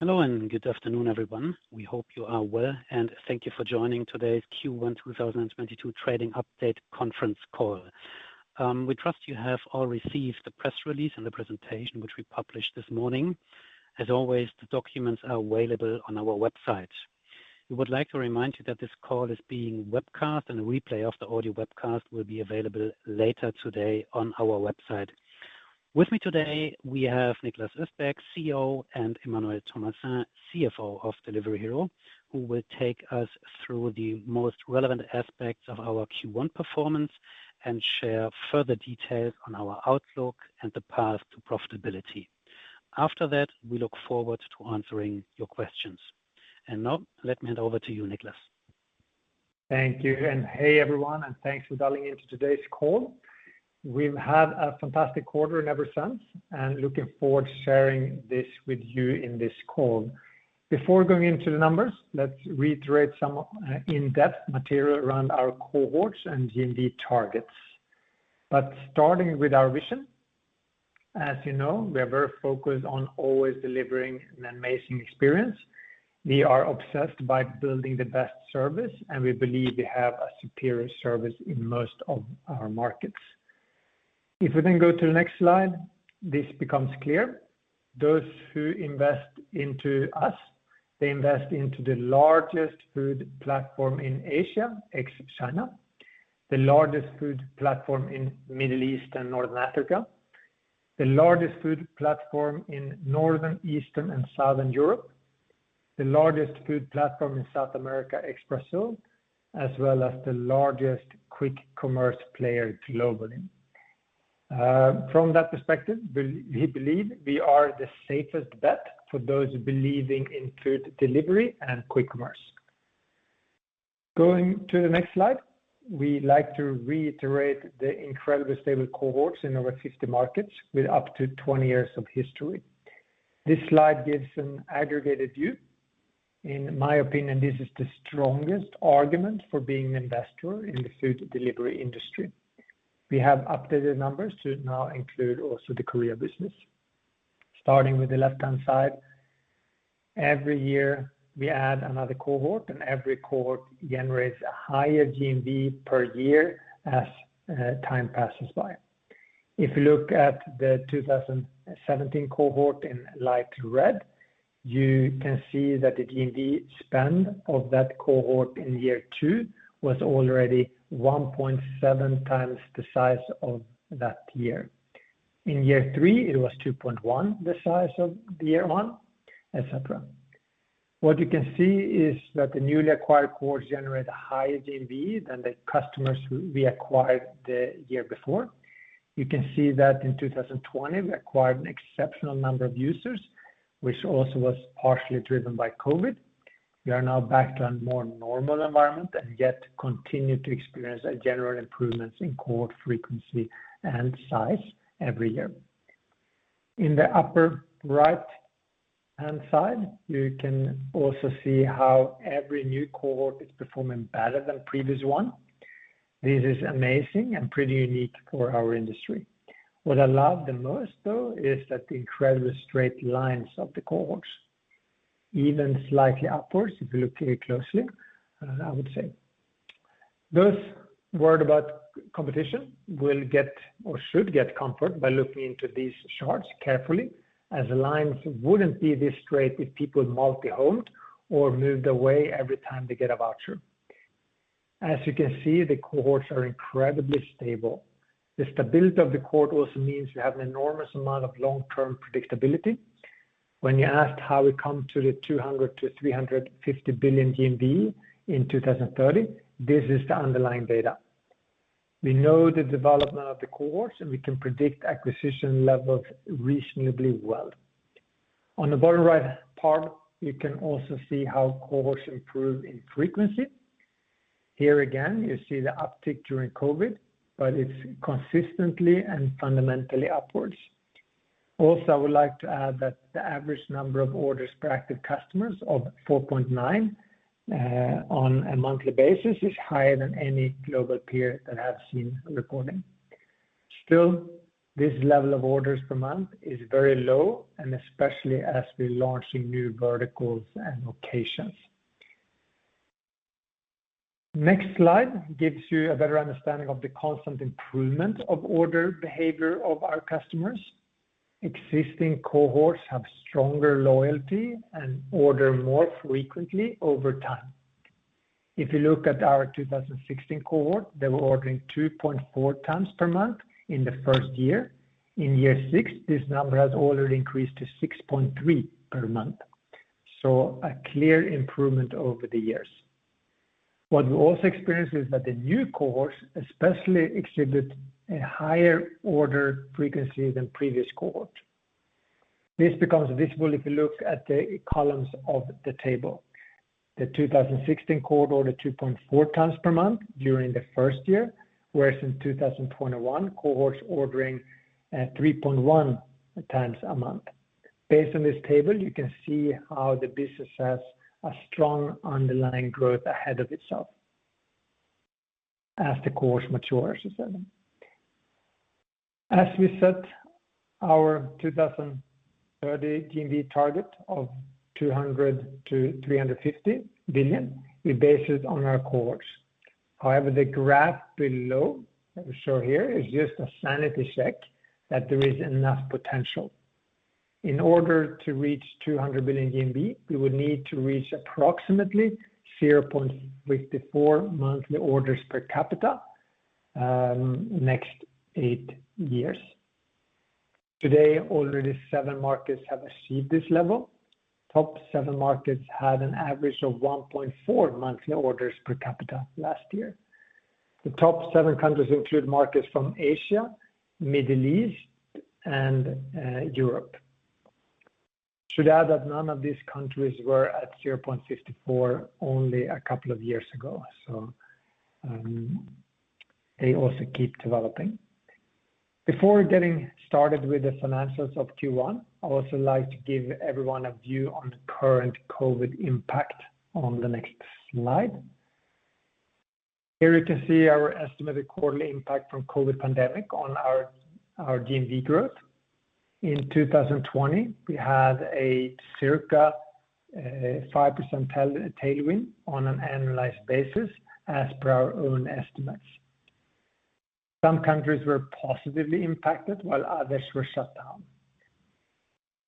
Hello and good afternoon, everyone. We hope you are well, and thank you for joining today's Q1 2022 Trading Update Conference Call. We trust you have all received the press release and the presentation which we published this morning. As always, the documents are available on our website. We would like to remind you that this call is being webcast, and a replay of the audio webcast will be available later today on our website. With me today, we have Niklas Östberg, CEO, and Emmanuel Thomassin, CFO of Delivery Hero, who will take us through the most relevant aspects of our Q1 performance and share further details on our outlook and the path to profitability. After that, we look forward to answering your questions. Now let me hand over to you, Niklas. Thank you. Hey, everyone, and thanks for dialing into today's call. We've had a fantastic quarter in every sense and looking forward to sharing this with you in this call. Before going into the numbers, let's reiterate some in-depth material around our cohorts and GMV targets. Starting with our vision, as you know, we are very focused on always delivering an amazing experience. We are obsessed by building the best service, and we believe we have a superior service in most of our markets. If we then go to the next slide, this becomes clear. Those who invest into us, they invest into the largest food platform in Asia, ex-China. The largest food platform in Middle East and Northern Africa, the largest food platform in Northern, Eastern, and Southern Europe, the largest food platform in South America, ex-Brazil, as well as the largest quick commerce player globally. From that perspective, we believe we are the safest bet for those believing in food delivery and quick commerce. Going to the next slide, we like to reiterate the incredible stable cohorts in over 50 markets with up to 20-years of history. This slide gives an aggregated view. In my opinion, this is the strongest argument for being an investor in the food delivery industry. We have updated numbers to now include also the Korea business. Starting with the left-hand side, every year we add another cohort, and every cohort generates a higher GMV per year as time passes by. If you look at the 2017 cohort in light red, you can see that the GMV spend of that cohort in year two was already 1.7 times the size of that year. In year three, it was 2.1, the size of the year one, et cetera. What you can see is that the newly acquired cohorts generate a higher GMV than the customers who we acquired the year before. You can see that in 2020, we acquired an exceptional number of users, which also was partially driven by COVID. We are now back to a more normal environment and yet continue to experience a general improvements in cohort frequency and size every year. In the upper right-hand side, you can also see how every new cohort is performing better than previous one. This is amazing and pretty unique for our industry. What I love the most, though, is that the incredible straight lines of the cohorts, even slightly upwards, if you look very closely, I would say. Those worried about competition will get or should get comfort by looking into these charts carefully, as the lines wouldn't be this straight if people multi-homed or moved away every time they get a voucher. As you can see, the cohorts are incredibly stable. The stability of the cohort also means you have an enormous amount of long-term predictability. When you asked how we come to the 200 billion-350 billion GMV in 2030, this is the underlying data. We know the development of the cohorts, and we can predict acquisition levels reasonably well. On the bottom right part, you can also see how cohorts improve in frequency. Here again, you see the uptick during COVID, but it's consistently and fundamentally upwards. Also, I would like to add that the average number of orders per active customers of 4.9 on a monthly basis is higher than any global peer that I've seen reporting. Still, this level of orders per month is very low, and especially as we're launching new verticals and locations. Next slide gives you a better understanding of the constant improvement of order behavior of our customers. Existing cohorts have stronger loyalty and order more frequently over time. If you look at our 2016 cohort, they were ordering 2.4 times per month in the first year. In year six, this number has already increased to 6.3 per month. So a clear improvement over the years. What we also experience is that the new cohorts especially exhibit a higher order frequency than previous cohort. This becomes visible if you look at the columns of the table. The 2016 cohort ordered 2.4 times per month during the first year, whereas in 2021, cohort's ordering three point one times a month. Based on this table, you can see how the business has a strong underlying growth ahead of itself. As the cohorts mature, as you said. As we set our 2030 GMV target of 200 billion-350 billion, we base it on our cohorts. However, the graph below that we show here is just a sanity check that there is enough potential. In order to reach 200 billion GMV, we would need to reach approximately 0.54 monthly orders per capita next eight years. Today, already seven markets have achieved this level. Top seven markets had an average of 1.4-monthly orders per capita last year. The top seven countries include markets from Asia, Middle East, and Europe. Should add that none of these countries were at 0.54 only a couple of years ago. They also keep developing. Before getting started with the financials of Q1, I would also like to give everyone a view on the current COVID impact on the next slide. Here you can see our estimated quarterly impact from COVID pandemic on our GMV growth. In 2020, we had a circa 5% tailwind on an annualized basis as per our own estimates. Some countries were positively impacted while others were shut down.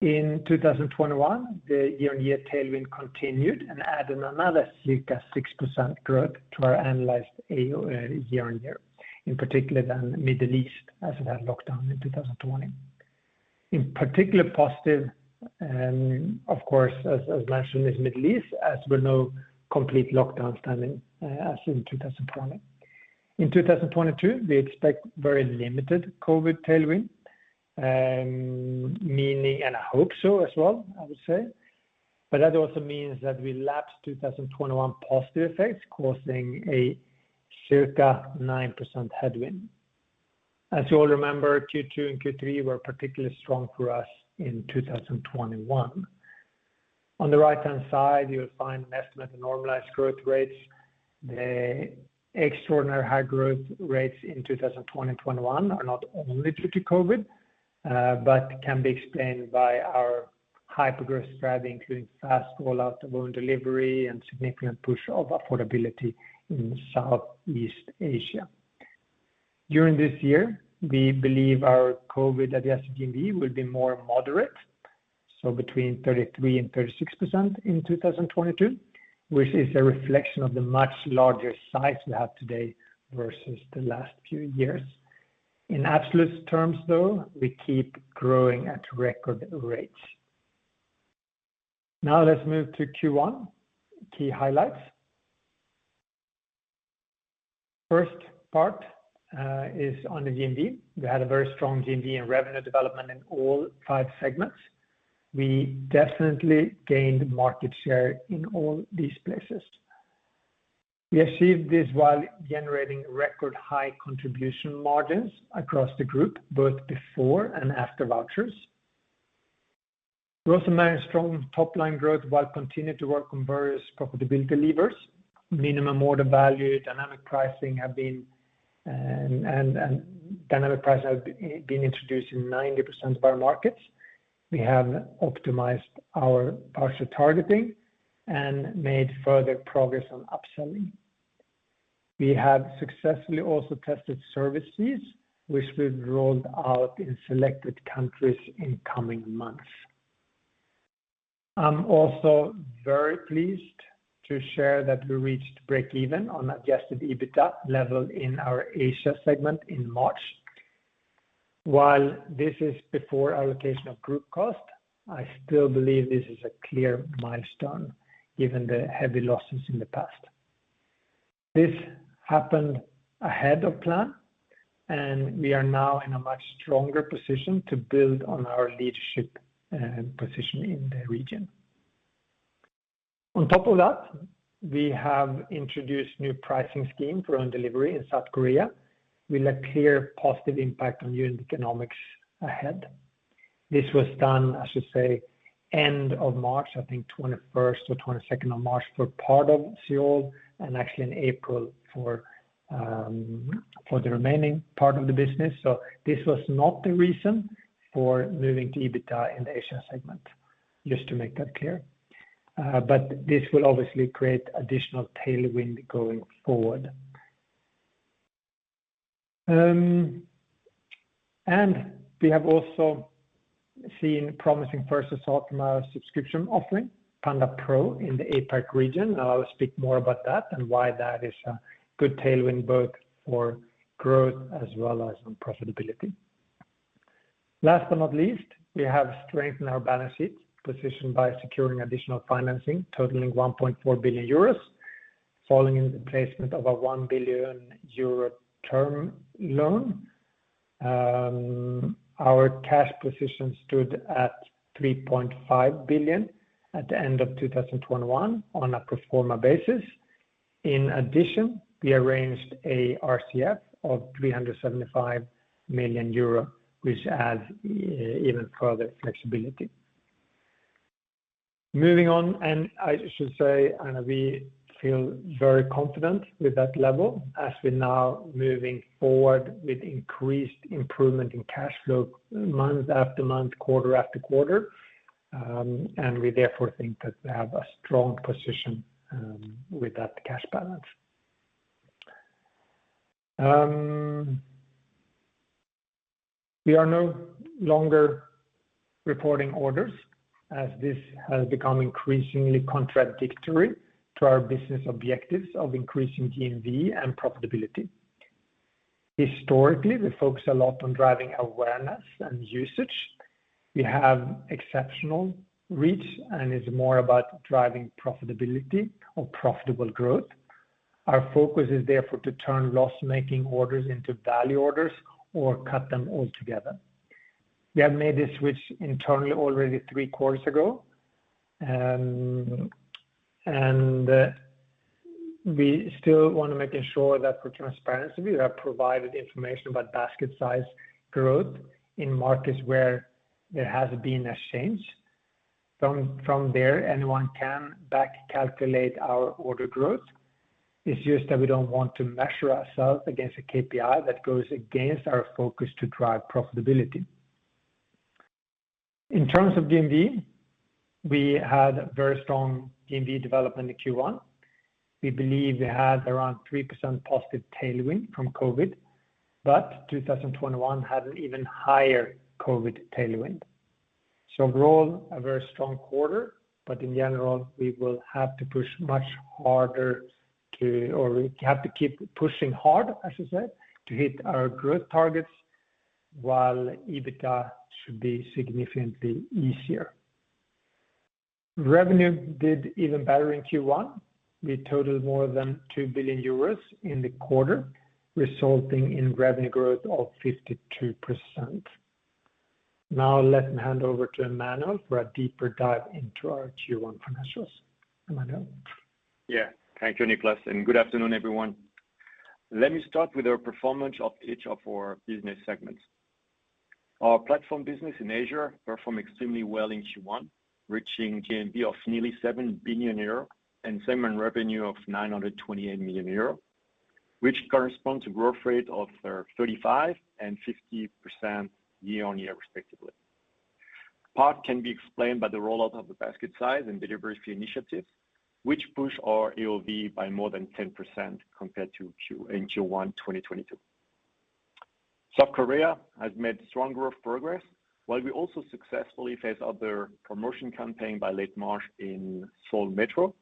In 2021, the year-on-year tailwind continued and added another circa 6% growth to our analyzed AOV year-on-year, in particular in the Middle East as it had lockdowns in 2020. In particular positive, of course, as mentioned, is the Middle East as there were no complete lockdowns timing as in 2020. In 2022, we expect very limited COVID tailwind, meaning and I hope so as well, I would say. That also means that we lapse 2021 positive effects causing a circa 9% headwind. As you all remember, Q2 and Q3 were particularly strong for us in 2021. On the right-hand side, you'll find an estimate of normalized growth rates. The extraordinary high growth rates in 2020, 2021 are not only due to COVID, but can be explained by our high progress strategy, including fast rollout of own delivery and significant push of affordability in Southeast Asia. During this year, we believe our COVID adjusted GMV will be more moderate, so between 33% and 36% in 2022, which is a reflection of the much larger size we have today versus the last few years. In absolute terms, though, we keep growing at record rates. Now let's move to Q1 key highlights. First part is on the GMV. We had a very strong GMV in revenue development in all five segments. We definitely gained market share in all these places. We achieved this while generating record high contribution margins across the group, both before and after vouchers. We also managed strong top-line growth while continuing to work on various profitability levers. Minimum order value and dynamic pricing have been introduced in 90% of our markets. We have optimized our partial targeting and made further progress on upselling. We have successfully also tested services which will be rolled out in selected countries in coming months. I'm also very pleased to share that we reached breakeven on adjusted EBITDA level in our Asia segment in March. While this is before allocation of group cost, I still believe this is a clear milestone given the heavy losses in the past. This happened ahead of plan, and we are now in a much stronger position to build on our leadership position in the region. On top of that, we have introduced new pricing scheme for own delivery in South Korea with a clear positive impact on unit economics ahead. This was done, I should say, end of March, I think 21st or 22nd of March for part of Seoul and actually in April for the remaining part of the business. This was not the reason for moving to EBITDA in the Asia segment, just to make that clear. This will obviously create additional tailwind going forward. We have also seen promising first results from our subscription offering, pandapro, in the APAC region. I will speak more about that and why that is a good tailwind both for growth as well as on profitability. Last but not least, we have strengthened our balance sheet position by securing additional financing totaling 1.4 billion euros, following the placement of a 1 billion euro term loan. Our cash position stood at 3.5 billion at the end of 2021 on a pro forma basis. In addition, we arranged a RCF of 375 million euro, which adds even further flexibility. Moving on, I should say, we feel very confident with that level as we're now moving forward with increased improvement in cash flow month after month, quarter after quarter. We therefore think that we have a strong position with that cash balance. We are no longer reporting orders as this has become increasingly contradictory to our business objectives of increasing GMV and profitability. Historically, we focus a lot on driving awareness and usage. We have exceptional reach, and it's more about driving profitability or profitable growth. Our focus is therefore to turn loss-making orders into value orders or cut them altogether. We have made the switch internally already three quarters ago. We still want to make sure that for transparency, we have provided information about basket size growth in markets where there has been a change. From there, anyone can back calculate our order growth. It's just that we don't want to measure ourselves against a KPI that goes against our focus to drive profitability. In terms of GMV, we had very strong GMV development in Q1. We believe we had around 3% positive tailwind from COVID, but 2021 had an even higher COVID tailwind. Overall, a very strong quarter, but in general, we will have to push much harder. We have to keep pushing hard, as you said, to hit our growth targets, while EBITDA should be significantly easier. Revenue did even better in Q1. We totaled more than 2 billion euros in the quarter, resulting in revenue growth of 52%. Now let me hand over to Emmanuel for a deeper dive into our Q1 financials. Emmanuel? Yeah. Thank you, Niklas, and good afternoon, everyone. Let me start with our performance of each of our business segments. Our platform business in Asia performed extremely well in Q1, reaching GMV of nearly 7 billion euro and segment revenue of 928 million euro, which corresponds a growth rate of 35% and 50% year-over-year, respectively. Part can be explained by the rollout of the basket size and delivery fee initiative, which pushed our AOV by more than 10% compared to in Q1 2022. South Korea has made strong growth progress, while we also successfully launched our promotion campaign by late March in Seoul Metro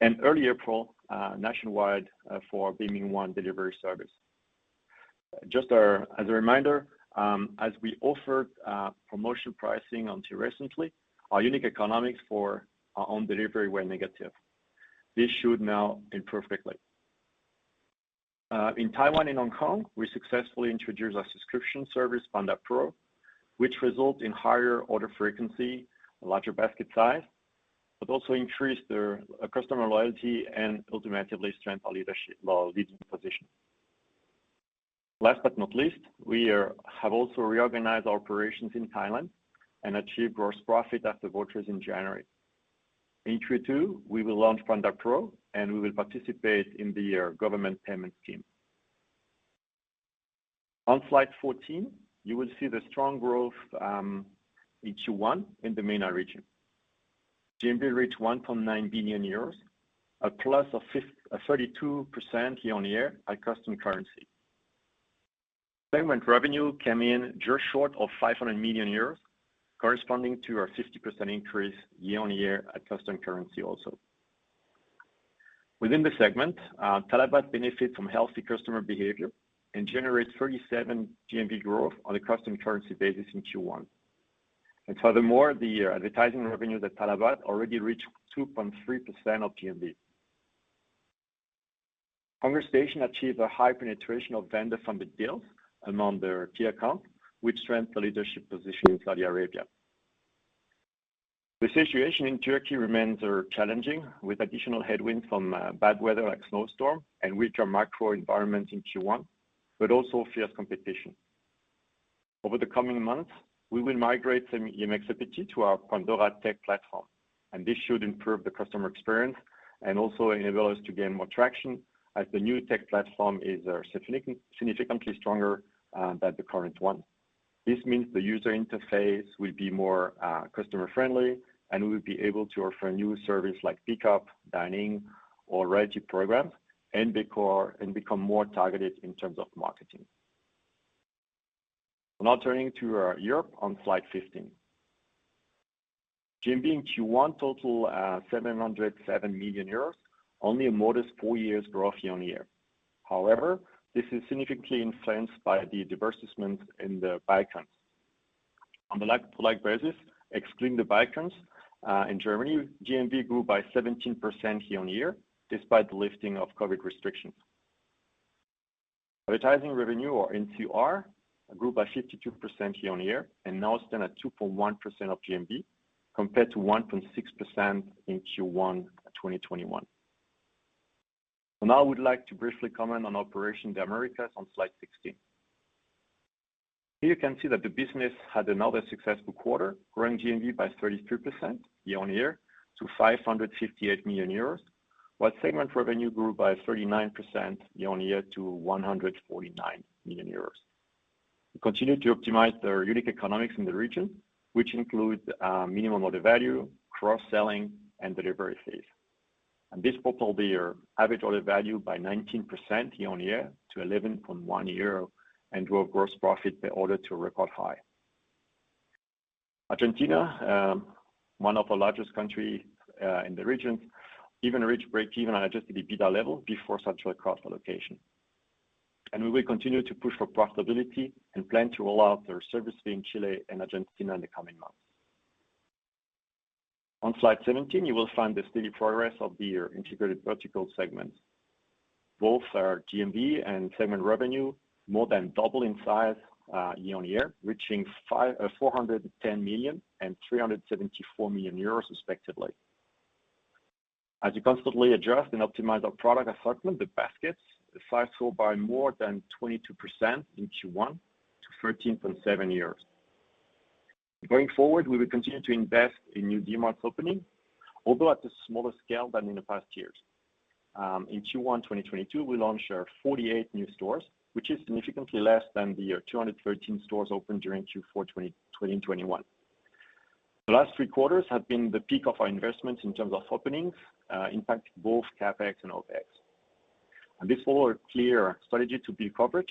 and early April nationwide for Baemin One delivery service. Just as a reminder, as we offered promotion pricing until recently, our unit economics for our own delivery were negative. This should now improve quickly. In Taiwan and Hong Kong, we successfully introduced our subscription service, pandapro, which result in higher order frequency, a larger basket size, but also increase the customer loyalty and ultimately strengthen our leading position. Last but not least, we have also reorganized our operations in Thailand and achieved gross profit after vouchers in January. In Q2, we will launch pandapro, and we will participate in the government payment scheme. On slide 14, you will see the strong growth in Q1 in the MENA region. GMV reached 1.9 billion euros, a plus of 32% year-over-year at constant currency. Payment revenue came in just short of 500 million euros, corresponding to our 50% increase year-over-year at constant currency also. Within the segment, talabat benefits from healthy customer behavior and generates 37% GMV growth on a constant currency basis in Q1. The advertising revenue at talabat already reached 2.3% of GMV. HungerStation achieved a high penetration of vendor-funded deals among their key account, which strengthened the leadership position in Saudi Arabia. The situation in Turkey remains challenging with additional headwinds from bad weather like snowstorm and weaker macro environments in Q1, but also fierce competition. Over the coming months, we will migrate some Yemeksepeti to our Pandora Tech platform, and this should improve the customer experience and also enable us to gain more traction as the new tech platform is significantly stronger than the current one. This means the user interface will be more customer friendly, and we'll be able to offer new service like pickup, dining or loyalty program and become more targeted in terms of marketing. Now turning to our Europe on slide 15. GMV in Q1 total 707 million euros, only a modest 4% year-on-year growth. However, this is significantly influenced by the divestment in the Buygrounds. On the like-for-like basis, excluding the Buygrounds in Germany, GMV grew by 17% year-on-year, despite the lifting of COVID restrictions. Advertising revenue or NCR grew by 52% year-on-year and now stand at 2.1% of GMV compared to 1.6% in Q1 2021. Now I would like to briefly comment on operations in the Americas on slide 16. Here you can see that the business had another successful quarter, growing GMV by 33% year-on-year to 558 million euros, while segment revenue grew by 39% year-on-year to 149 million euros. We continued to optimize their unique economics in the region, which includes minimum order value, cross-selling, and delivery fees. This propelled their average order value by 19% year-on-year to 11.1 euro and drove gross profit by order to a record high. Argentina, one of the largest countries in the region, even reached breakeven on adjusted EBITDA level before central cost allocation. We will continue to push for profitability and plan to roll out their service fee in Chile and Argentina in the coming months. On slide 17, you will find the steady progress of the integrated vertical segment. Both our GMV and segment revenue more than double in size year-on-year, reaching 410 million and 374 million euros respectively. As we constantly adjust and optimize our product assortment, the baskets, the size grew by more than 22% in Q1 to 13.7. Going forward, we will continue to invest in new Dmart's opening, although at a smaller scale than in the past years. In Q1 2022, we launched our 48 new stores, which is significantly less than the 213 stores opened during Q4 2021. The last three quarters have been the peak of our investments in terms of openings, impacting both CapEx and OpEx. This follows a clear strategy to build coverage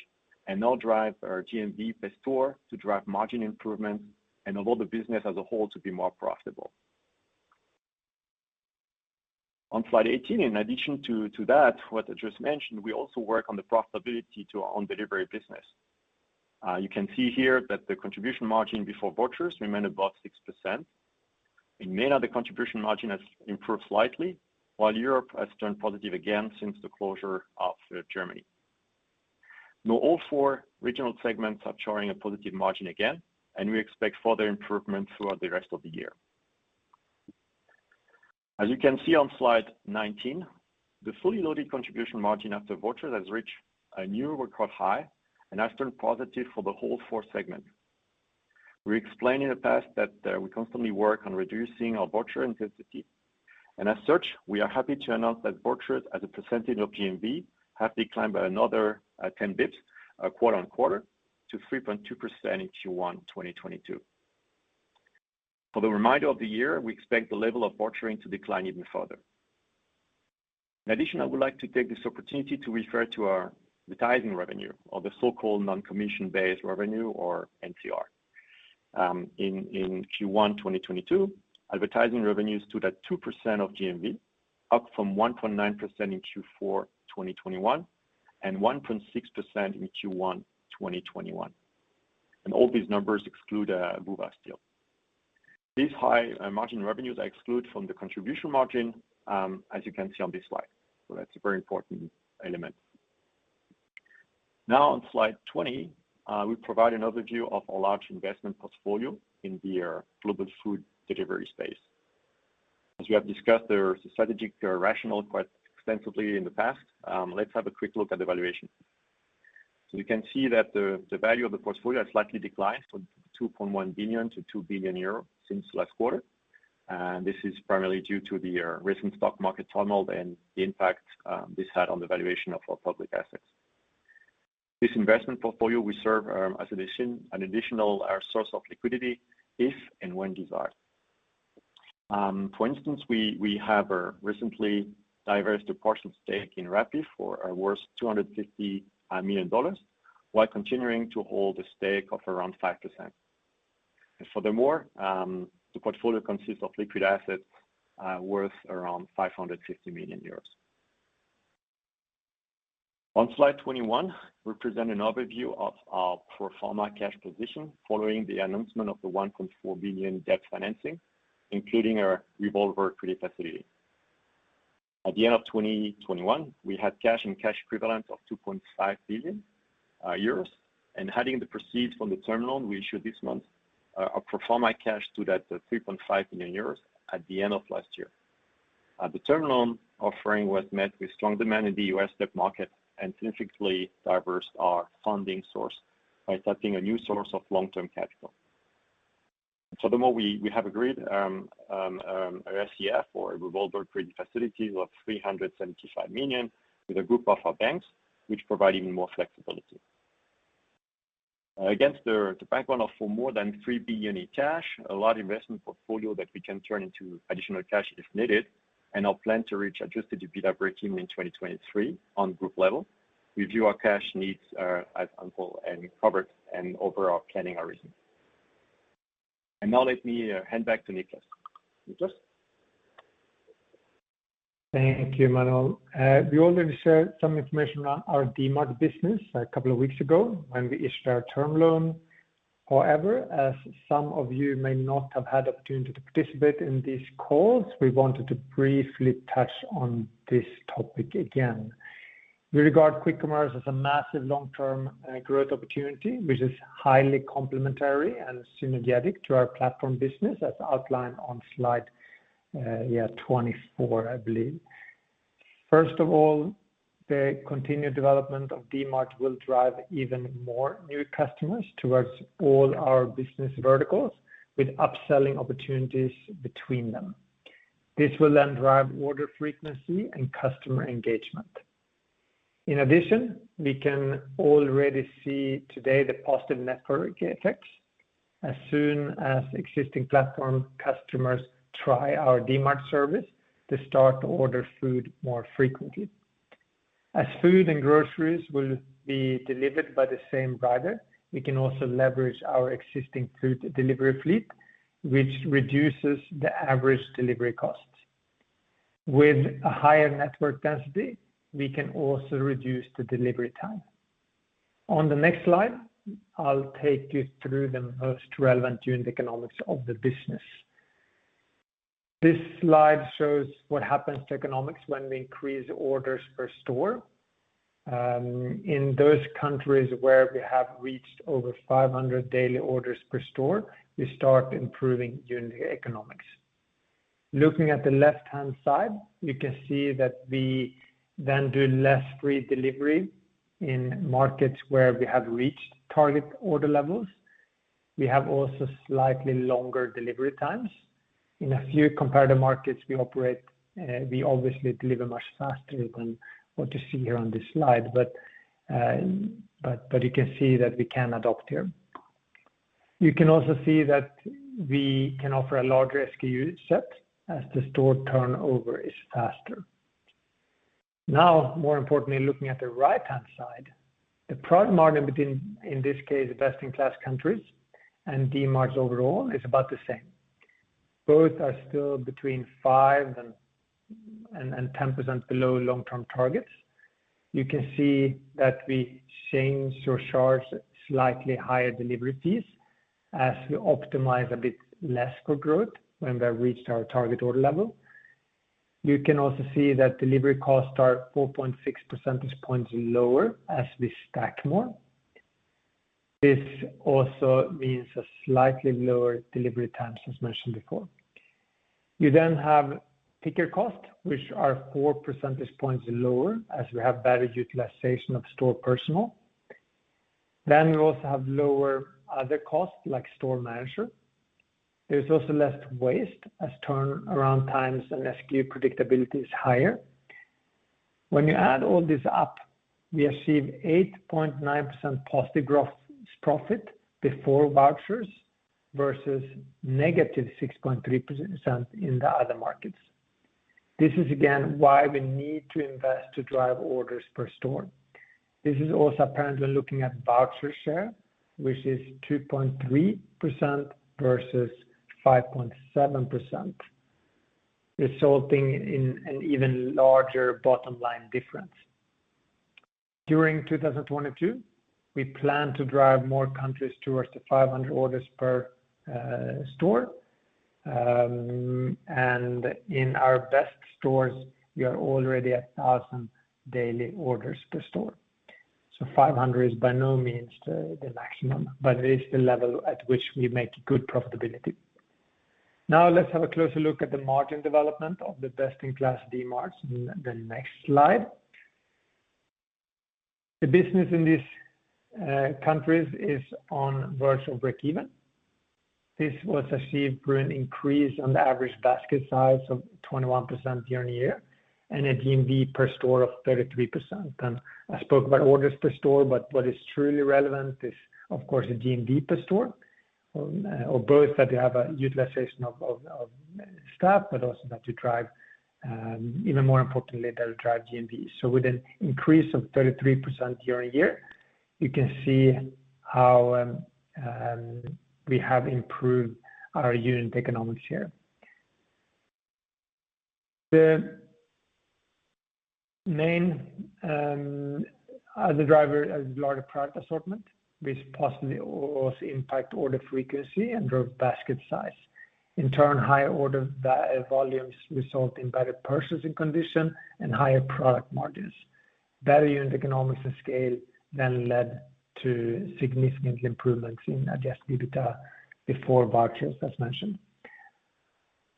and now drive our GMV per store to drive margin improvement and allow the business as a whole to be more profitable. On slide 18, in addition to that, what I just mentioned, we also work on the profitability to our own delivery business. You can see here that the contribution margin before vouchers remained above 6%. In MENA, the contribution margin has improved slightly, while Europe has turned positive again since the closure of Germany. Now all four regional segments are showing a positive margin again, and we expect further improvement throughout the rest of the year. As you can see on Slide 19, the fully loaded contribution margin after vouchers has reached a new record high and has turned positive for the whole four segments. We explained in the past that we constantly work on reducing our voucher intensity, and as such, we are happy to announce that vouchers as a percentage of GMV have declined by another 10 basis points quarter-over-quarter to 3.2% in Q1 2022. For the remainder of the year, we expect the level of voucher to decline even further. In addition, I would like to take this opportunity to refer to our advertising revenue or the so-called non-commission based revenue or NCR. In Q1 2022, advertising revenues stood at 2% of GMV, up from 1.9% in Q4 2021, and 1.6% in Q1 2021. All these numbers exclude Woowa still. These high margin revenues are exclude from the contribution margin, as you can see on this slide. That's a very important element. Now on Slide 20, we provide an overview of our large investment portfolio in the global food delivery space. As we have discussed their strategic rationale quite extensively in the past, let's have a quick look at the valuation. We can see that the value of the portfolio has slightly declined from 2.1 billion to 2 billion euro since last quarter. This is primarily due to the recent stock market turmoil and the impact this had on the valuation of our public assets. This investment portfolio will serve as an additional source of liquidity if and when desired. For instance, we have recently divested a portion stake in Rappi for worth $250 million while continuing to hold a stake of around 5%. Furthermore, the portfolio consists of liquid assets worth around 550 million euros. On Slide 21, we present an overview of our pro forma cash position following the announcement of the 1.4 billion debt financing, including our revolving credit facility. At the end of 2021, we had cash and cash equivalents of 2.5 billion euros, and adding the proceeds from the term loan we issued this month, our pro forma cash stood at 3.5 million euros at the end of last year. The term loan offering was met with strong demand in the U.S. debt market and significantly diversified our funding source by accepting a new source of long-term capital. Furthermore, we have agreed a RCF or a revolver credit facility of 375 million with a group of our banks, which provides even more flexibility. Against the background of more than 3 billion in cash, a large investment portfolio that we can turn into additional cash if needed, and our plan to reach adjusted EBITDA breakeven in 2023 on group level, we view our cash needs as ample and covered and overall planning our reasons. Now let me hand back to Niklas. Niklas? Thank you, Emmanuel. We already shared some information on our Dmart business a couple of weeks ago when we issued our term loan. However, as some of you may not have had the opportunity to participate in these calls, we wanted to briefly touch on this topic again. We regard quick commerce as a massive long-term growth opportunity, which is highly complementary and synergetic to our platform business as outlined on Slide 24, I believe. First of all, the continued development of Dmart will drive even more new customers towards all our business verticals with upselling opportunities between them. This will then drive order frequency and customer engagement. In addition, we can already see today the positive network effects. As soon as existing platform customers try our Dmart service, they start to order food more frequently. As food and groceries will be delivered by the same driver, we can also leverage our existing food delivery fleet, which reduces the average delivery costs. With a higher network density, we can also reduce the delivery time. On the next slide, I'll take you through the most relevant unit economics of the business. This slide shows what happens to economics when we increase orders per store. In those countries where we have reached over 500 daily orders per store, you start improving unit economics. Looking at the left-hand side, you can see that we then do less free delivery in markets where we have reached target order levels. We have also slightly longer delivery times. In a few comparator markets we operate, we obviously deliver much faster than what you see here on this slide, but you can see that we can adapt here. You can also see that we can offer a larger SKU set as the store turnover is faster. Now, more importantly, looking at the right-hand side, the product margin between, in this case, best-in-class countries and Dmart's overall is about the same. Both are still between 5% and 10% below long-term targets. You can see that we charge slightly higher delivery fees as we optimize a bit less for growth when we have reached our target order level. You can also see that delivery costs are 4.6 percentage points lower as we stack more. This also means a slightly lower delivery times as mentioned before. You then have picker cost, which are four percentage points lower as we have better utilization of store personnel. We also have lower other costs like store manager. There's also less waste as turnaround times and SKU predictability is higher. When you add all this up, we achieve 8.9% positive gross profit before vouchers versus -6.3% in the other markets. This is again why we need to invest to drive orders per store. This is also apparent when looking at voucher share, which is 2.3% versus 5.7%, resulting in an even larger bottom line difference. During 2022, we plan to drive more countries towards the 500 orders per store. In our best stores, we are already at 1,000 daily orders per store. Five hundred is by no means the maximum, but it is the level at which we make good profitability. Now let's have a closer look at the margin development of the best-in-class Dmart in the next slide. The business in these countries is on the verge of breakeven. This was achieved through an increase in the average basket size of 21% year-on-year and a GMV per store of 33%. I spoke about orders per store, but what is truly relevant is of course the GMV per store, or both that you have a utilization of staff, but also that you drive even more importantly, that will drive GMV. With an increase of 33% year-on-year, you can see how we have improved our unit economics here. The main other driver is larger product assortment, which possibly also impact order frequency and drove basket size. In turn, higher order volumes result in better purchasing condition and higher product margins. Better unit economics and scale then led to significant improvements in adjusted EBITDA before vouchers, as mentioned.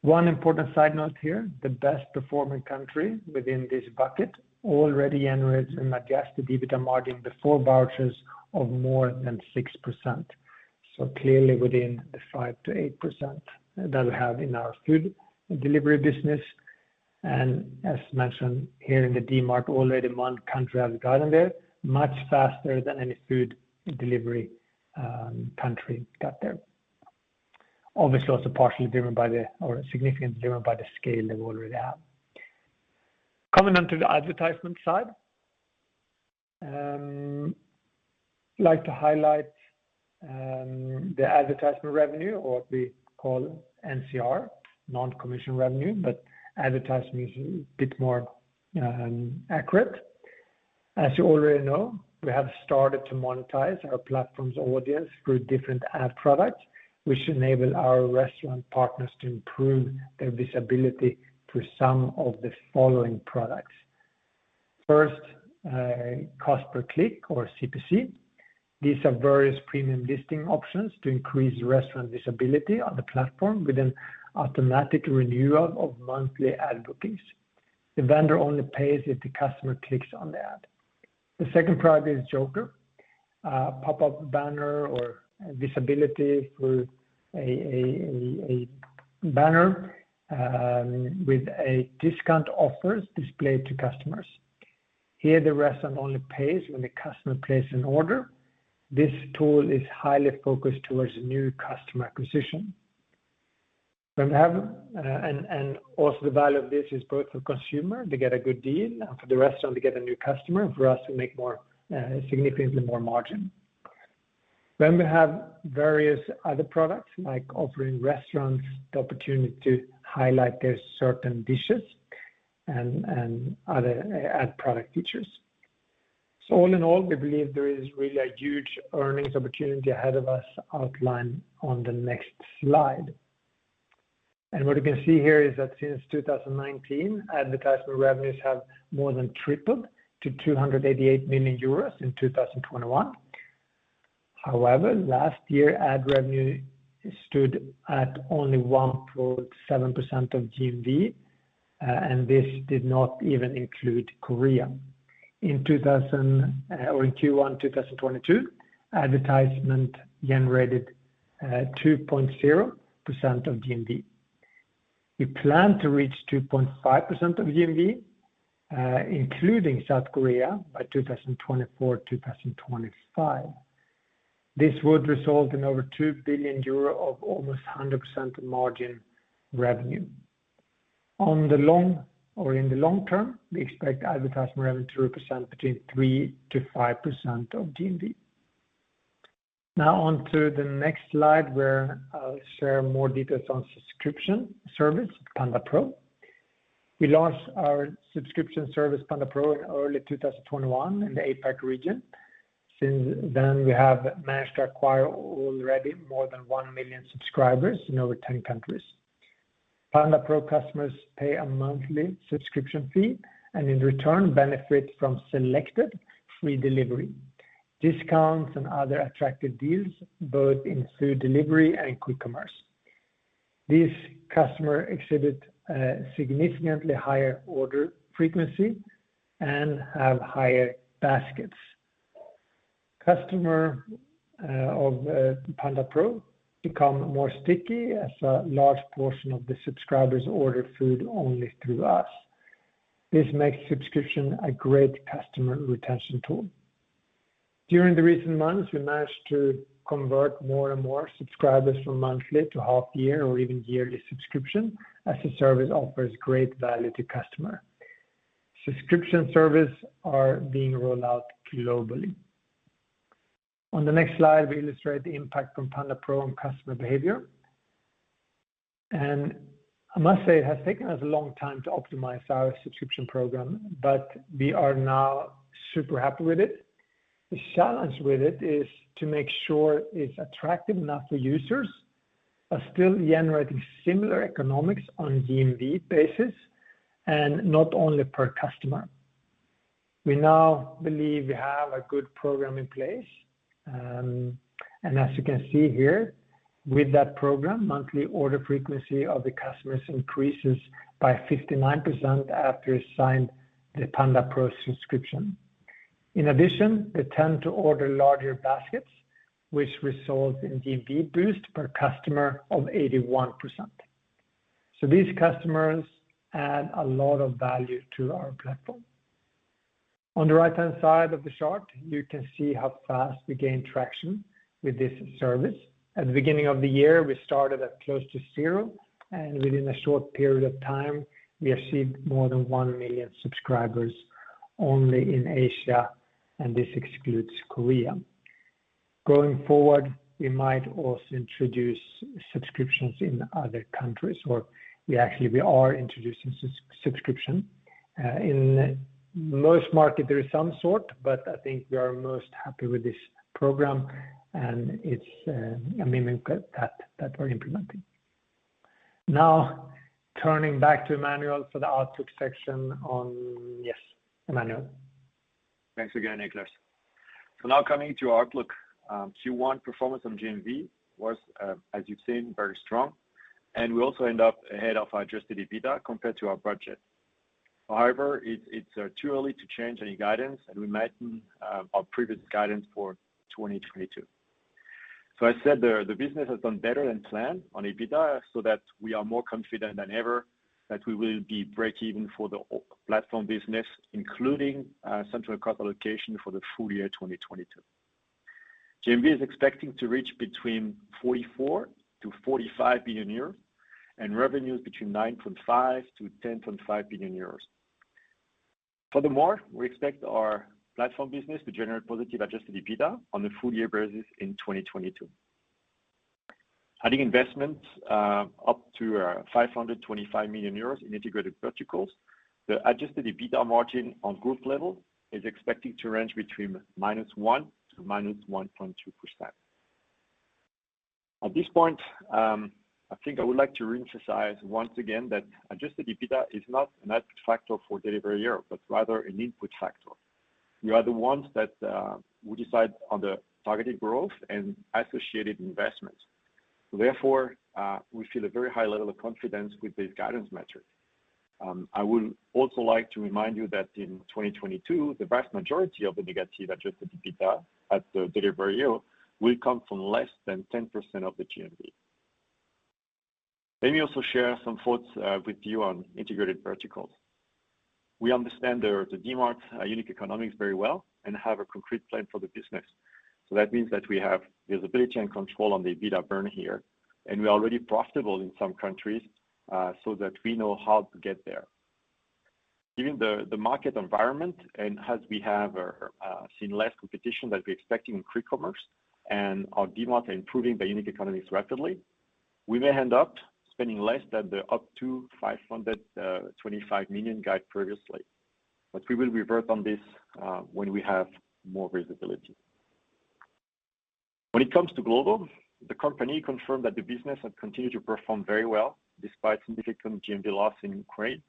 One important side note here, the best performing country within this bucket already generates an adjusted EBITDA margin before vouchers of more than 6%. So clearly within the 5%-8% that we have in our food delivery business. As mentioned here in the Dmart already one country has gotten there much faster than any food delivery country got there. Obviously, also partially driven by or significantly driven by the scale they already have. Coming on to the advertisement side. Like to highlight the advertising revenue or what we call NCR, non-commission revenue, but advertising is a bit more accurate. As you already know, we have started to monetize our platform's audience through different ad products, which enable our restaurant partners to improve their visibility through some of the following products. First, cost per click or CPC. These are various premium listing options to increase restaurant visibility on the platform with an automatic renewal of monthly ad bookings. The vendor only pays if the customer clicks on the ad. The second product is Joker, pop-up banner or visibility through a banner with a discount offers displayed to customers. Here, the restaurant only pays when the customer places an order. This tool is highly focused towards new customer acquisition. The value of this is both for consumer to get a good deal and for the restaurant to get a new customer, for us to make more, significantly more margin. We have various other products like offering restaurants the opportunity to highlight their certain dishes and other ad product features. All in all, we believe there is really a huge earnings opportunity ahead of us outlined on the next slide. What you can see here is that since 2019, advertisement revenues have more than tripled to 288 million euros in 2021. However, last year, ad revenue stood at only 1.7% of GMV, and this did not even include Korea. In Q1 2022, advertising generated 2.0% of GMV. We plan to reach 2.5% of GMV, including South Korea by 2024-2025. This would result in over 2 billion euro of almost 100% margin revenue. In the long term, we expect advertising revenue to represent between 3%-5% of GMV. Now on to the next slide, where I'll share more details on subscription service, pandapro. We launched our subscription service, pandapro, in early 2021 in the APAC region. Since then, we have managed to acquire already more than 1 million subscribers in over 10 countries. pandapro customers pay a monthly subscription fee and in return benefit from selected free delivery, discounts and other attractive deals, both in food delivery and quick commerce. These customers exhibit significantly higher order frequency and have higher baskets. Customers of pandapro become more sticky as a large portion of the subscribers order food only through us. This makes subscription a great customer retention tool. During the recent months, we managed to convert more and more subscribers from monthly to half year or even yearly subscription as the service offers great value to customers. Subscription services are being rolled out globally. On the next slide, we illustrate the impact from pandapro on customer behavior. I must say it has taken us a long time to optimize our subscription program, but we are now super happy with it. The challenge with it is to make sure it's attractive enough for users, but still generating similar economics on GMV basis and not only per customer. We now believe we have a good program in place. As you can see here, with that program, monthly order frequency of the customers increases by 59% after you sign the Panda Pro subscription. In addition, they tend to order larger baskets, which results in GMV boost per customer of 81%. These customers add a lot of value to our platform. On the right-hand side of the chart, you can see how fast we gain traction with this service. At the beginning of the year, we started at close to zero, and within a short period of time, we achieved more than 1 million subscribers only in Asia, and this excludes Korea. Going forward, we might also introduce subscriptions in other countries, or actually we are introducing subscription. In most markets, there is some sort, but I think we are most happy with this program, and it's a minimum that we're implementing. Now, turning back to Emmanuel for the outlook section. Yes, Emmanuel. Thanks again, Niklas. Now coming to outlook. Q1 performance on GMV was, as you've seen, very strong, and we also end up ahead of our adjusted EBITDA compared to our budget. However, it's too early to change any guidance, and we maintain our previous guidance for 2022. I said the business has done better than planned on EBITDA, so that we are more confident than ever that we will be breakeven for the platform business, including central cost allocation for the full year 2022. GMV is expecting to reach between 44 billion-45 billion euros and revenues between 9.5 billion-10.5 billion euros. Furthermore, we expect our platform business to generate positive adjusted EBITDA on a full year basis in 2022. Adding investment up to 525 million euros in Integrated Verticals, the adjusted EBITDA margin on group level is expected to range between -1% to -1.2%. At this point, I think I would like to reemphasize once again that adjusted EBITDA is not an output factor for Delivery Hero, but rather an input factor. We are the ones that will decide on the targeted growth and associated investments. Therefore, we feel a very high level of confidence with this guidance metric. I would also like to remind you that in 2022, the vast majority of the negative adjusted EBITDA at Delivery Hero will come from less than 10% of the GMV. Let me also share some thoughts with you on Integrated Verticals. We understand the Dmart unique economics very well and have a concrete plan for the business. That means that we have visibility and control on the EBITDA burn here, and we are already profitable in some countries, so that we know how to get there. Given the market environment, and as we have seen less competition than we expecting in quick commerce and our Dmart improving the unique economies rapidly, we may end up spending less than the up to 525 million guide previously, but we will revert on this when we have more visibility. When it comes to Glovo, the company confirmed that the business had continued to perform very well despite significant GMV loss in Ukraine.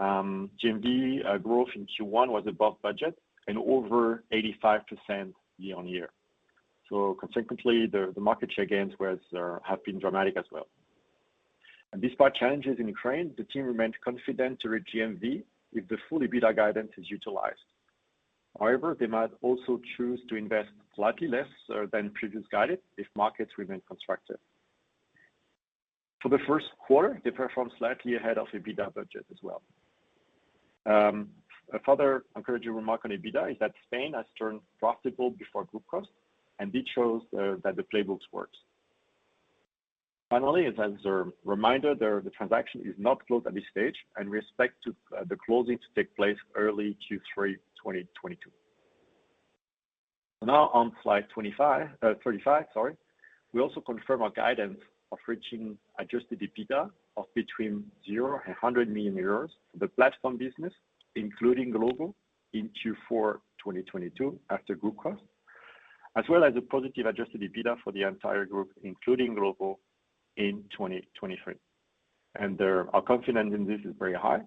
GMV growth in Q1 was above budget and over 85% year-on-year. Consequently, the market share gains have been dramatic as well. Despite challenges in Ukraine, the team remained confident to reach GMV if the full EBITDA guidance is utilized. However, they might also choose to invest slightly less than previous guidance if markets remain constructive. For the first quarter, they performed slightly ahead of EBITDA budget as well. A further encouraging remark on EBITDA is that Spain has turned profitable before group cost, and this shows that the playbooks works. Finally, as a reminder, the transaction is not closed at this stage, and we expect the closing to take place early Q3 2022. Now on Slide 35, sorry. We also confirm our guidance of reaching adjusted EBITDA of between 0 and 100 million euros for the platform business, including Glovo in Q4 2022 after group cost, as well as a positive adjusted EBITDA for the entire group, including Glovo in 2023. Our confidence in this is very high,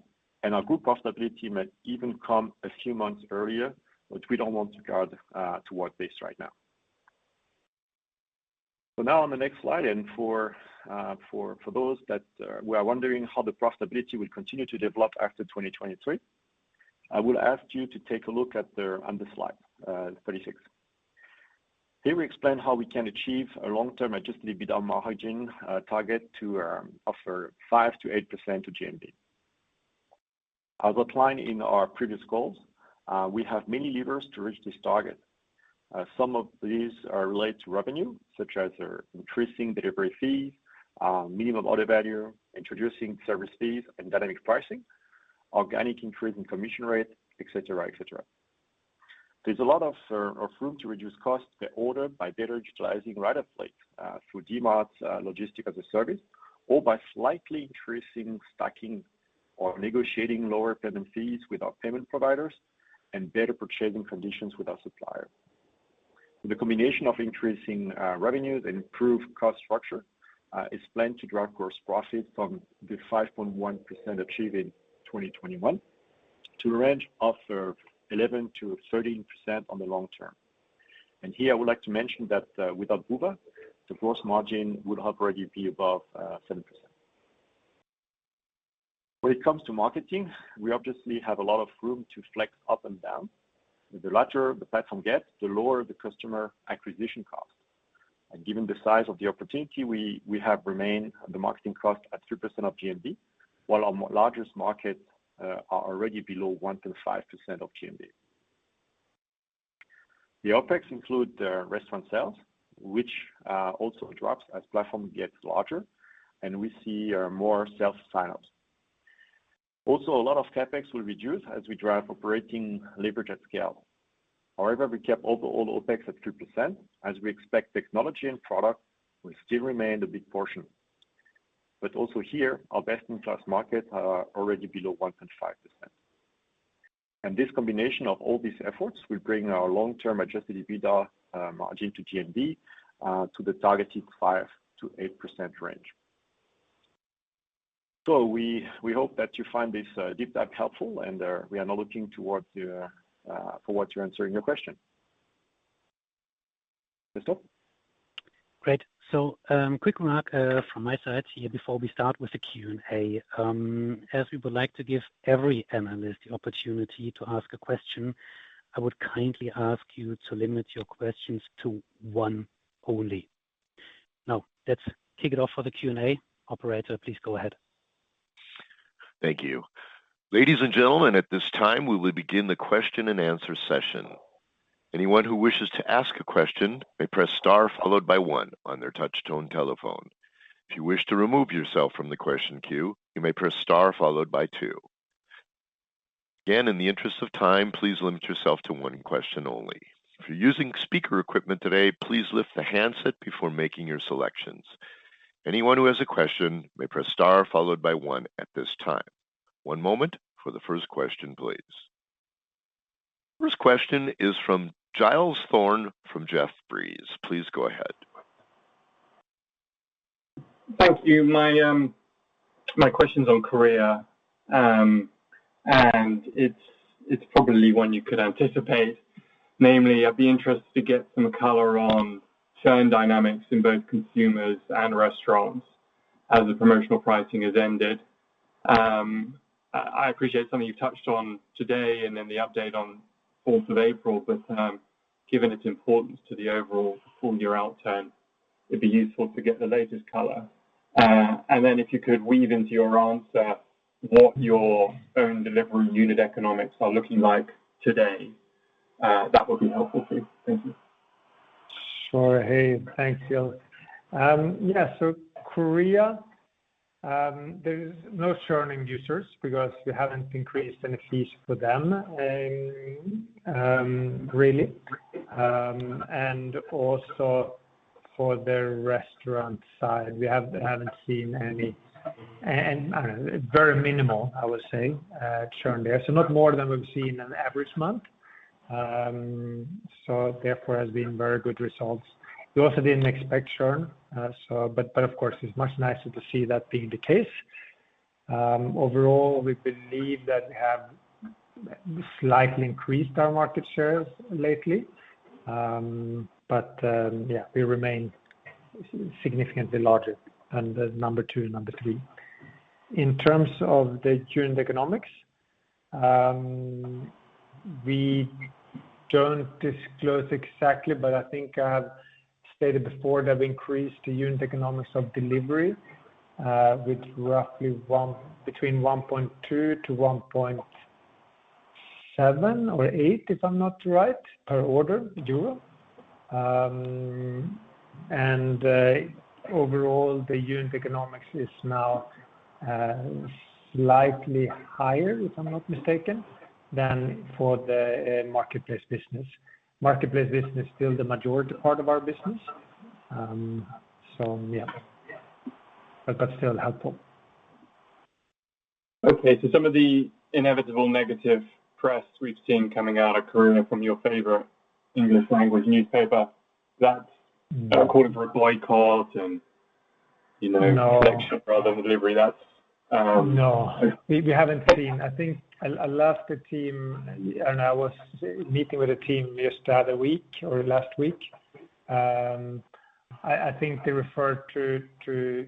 and our group profitability may even come a few months earlier, which we don't want to guide towards this right now. Now on the next slide, and for those that were wondering how the profitability will continue to develop after 2023, I will ask you to take a look on the Slide 36. Here we explain how we can achieve a long-term adjusted EBITDA margin target of 5%-8% of GMV. As outlined in our previous goals, we have many levers to reach this target. Some of these are related to revenue, such as increasing delivery fees, minimum order value, introducing service fees and dynamic pricing, organic increase in commission rate, et cetera, et cetera. There's a lot of room to reduce costs per order by better utilizing rider fleets through Dmart's Logistics as a Service or by slightly increasing stacking or negotiating lower payment fees with our payment providers and better purchasing conditions with our suppliers. The combination of increasing revenues and improved cost structure is planned to drive gross profit from the 5.1% achieved in 2021 to a range of 11%-13% on the long term. I would like to mention that without Woowa, the gross margin would already be above 7%. When it comes to marketing, we obviously have a lot of room to flex up and down. The larger the platform gets, the lower the customer acquisition cost. Given the size of the opportunity, we have remained the marketing cost at 2% of GMV, while our largest markets are already below 1.5% of GMV. The OpEx include restaurant sales, which also drops as platform gets larger and we see more self-signups. A lot of CapEx will reduce as we drive operating leverage at scale. However, we kept overall OpEx at 2% as we expect technology and product will still remain a big portion. Also here, our best-in-class markets are already below 1.5%. This combination of all these efforts will bring our long-term adjusted EBITDA margin to GMV to the targeted 5%-8% range. We hope that you find this deep dive helpful, and we are now looking forward to answering your questions, Crystal? Great. Quick remark from my side here before we start with the Q&A. As we would like to give every analyst the opportunity to ask a question, I would kindly ask you to limit your questions to one only. Now, let's kick it off for the Q&A. Operator, please go ahead. Thank you. Ladies and gentlemen, at this time, we will begin the question and answer session. Anyone who wishes to ask a question may press star followed by one on their touch tone telephone. If you wish to remove yourself from the question queue, you may press star followed by two. Again, in the interest of time, please limit yourself to one question only. If you're using speaker equipment today, please lift the handset before making your selections. Anyone who has a question may press star followed by one at this time. One moment for the first question, please. First question is from Giles Thorne from Jefferies. Please go ahead. Thank you. My question's on Korea, and it's probably one you could anticipate. Namely, I'd be interested to get some color on churn dynamics in both consumers and restaurants as the promotional pricing has ended. I appreciate something you touched on today and in the update on fourth of April, but given its importance to the overall full year outcome, it'd be useful to get the latest color. Then if you could weave into your answer what your own delivery unit economics are looking like today, that would be helpful too. Thank you. Sure. Hey, thanks, Giles. Yeah, Korea, there's no churn in users because we haven't increased any fees for them, really. Also for the restaurant side, we haven't seen any. I don't know, very minimal, I would say, churn there. Not more than we've seen in an average month. Therefore there has been very good results. We also didn't expect churn. Of course, it's much nicer to see that being the case. Overall we believe that we have slightly increased our market shares lately, but yeah, we remain significantly larger than the number two and number three. In terms of the churn economics, we don't disclose exactly, but I think I have stated before that we increased the unit economics of delivery with roughly between 1.2-1.7 or 1.8, if I'm not right, per order. Overall, the unit economics is now slightly higher, if I'm not mistaken, than for the marketplace business. Marketplace business is still the majority part of our business. Yeah. Still helpful. Okay. Some of the inevitable negative press we've seen coming out of Korea from your favorite English language newspaper that. Mm-hmm. Are calling for a boycott and, you know. No. Collection rather than delivery. That's. No. We haven't seen. I think I'll ask the team, and I was meeting with the team just the other week or last week. I think they referred to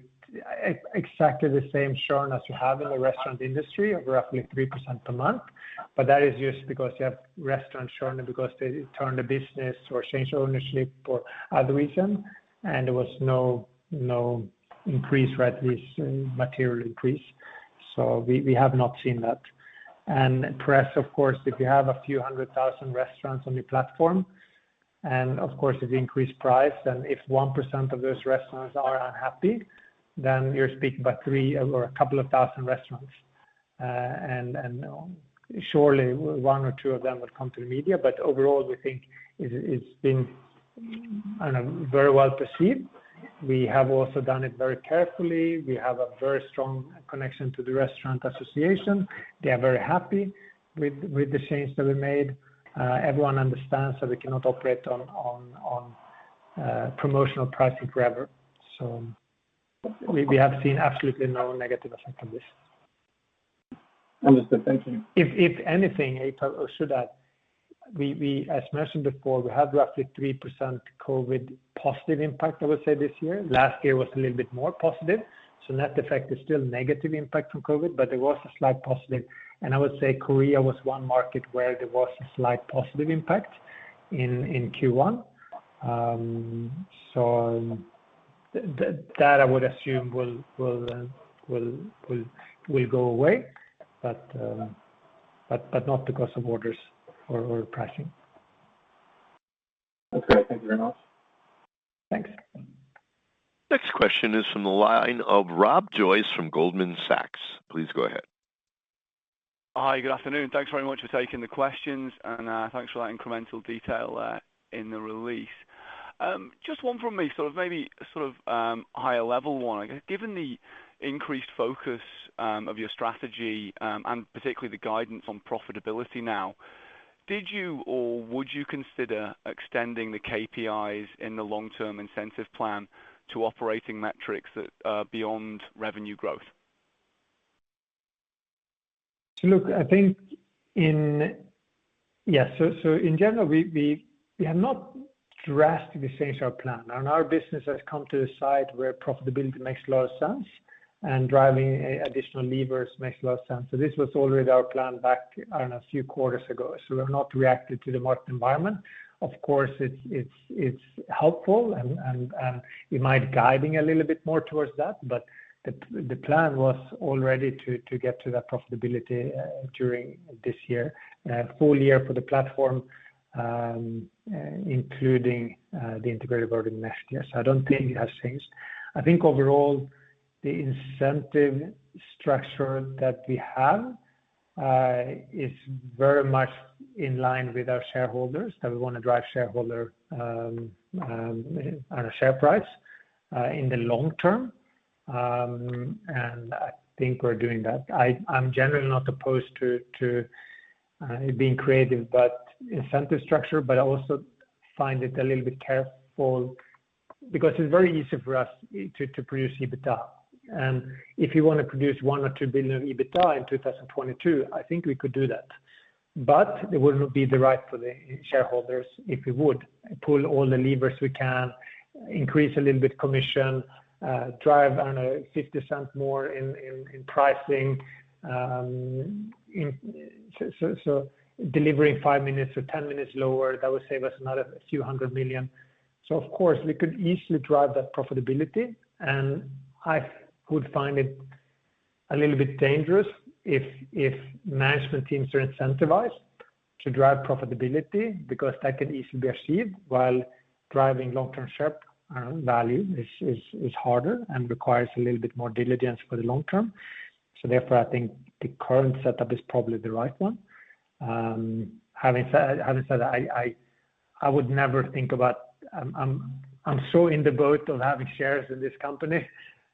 exactly the same churn as you have in the restaurant industry of roughly 3% per month. That is just because you have restaurant churn and because they turn the business or change ownership or other reason, and there was no increase, right, at least material increase. We have not seen that. The press, of course, if you have a few hundred thousand restaurants on your platform, and of course if you increase price, then if 1% of those restaurants are unhappy, then you're speaking about three or a couple thousand restaurants. And surely one or two of them would come to the media. Overall, we think it's been, I don't know, very well perceived. We have also done it very carefully. We have a very strong connection to the restaurant association. They are very happy with the change that we made. Everyone understands that we cannot operate on promotional pricing forever. We have seen absolutely no negative effect on this. Understood. Thank you. As mentioned before, we have roughly 3% COVID positive impact, I would say, this year. Last year was a little bit more positive, so net effect is still negative impact from COVID, but there was a slight positive. I would say Korea was one market where there was a slight positive impact in Q1. So that I would assume will go away, but not because of orders or pricing. Okay. Thank you very much. Thanks. Next question is from the line of Rob Joyce from Goldman Sachs. Please go ahead. Hi, good afternoon. Thanks very much for taking the questions, and thanks for that incremental detail in the release. Just one from me, sort of maybe sort of higher level one. Given the increased focus of your strategy, and particularly the guidance on profitability now, did you or would you consider extending the KPIs in the long-term incentive plan to operating metrics that beyond revenue growth? Look, I think. Yes. In general, we have not drastically changed our plan. Our business has come to the side where profitability makes a lot of sense and driving additional levers makes a lot of sense. This was already our plan back, I don't know, a few quarters ago. We have not reacted to the market environment. Of course, it's helpful and we might guide a little bit more towards that, but the plan was already to get to that profitability during this year, full year for the platform, including the Integrated Verticals next year. I don't think it has changed. I think overall, the incentive structure that we have is very much in line with our shareholders, that we wanna drive shareholder our share price. In the long term, I think we're doing that. I'm generally not opposed to being creative, but incentive structure, but I also find it a little bit careful because it's very easy for us to produce EBITDA. If you wanna produce 1 billion or 2 billion of EBITDA in 2022, I think we could do that. But it wouldn't be right for the shareholders if we would pull all the levers we can, increase a little bit commission, drive, I don't know, 0.50 more in pricing. So delivering 5 minutes or 10 minutes lower, that would save us another few hundred million EUR. Of course, we could easily drive that profitability. I would find it a little bit dangerous if management teams are incentivized to drive profitability because that could easily be achieved while driving long-term share value is harder and requires a little bit more diligence for the long term. Therefore, I think the current setup is probably the right one. Having said that, I'm so in the boat of having shares in this company,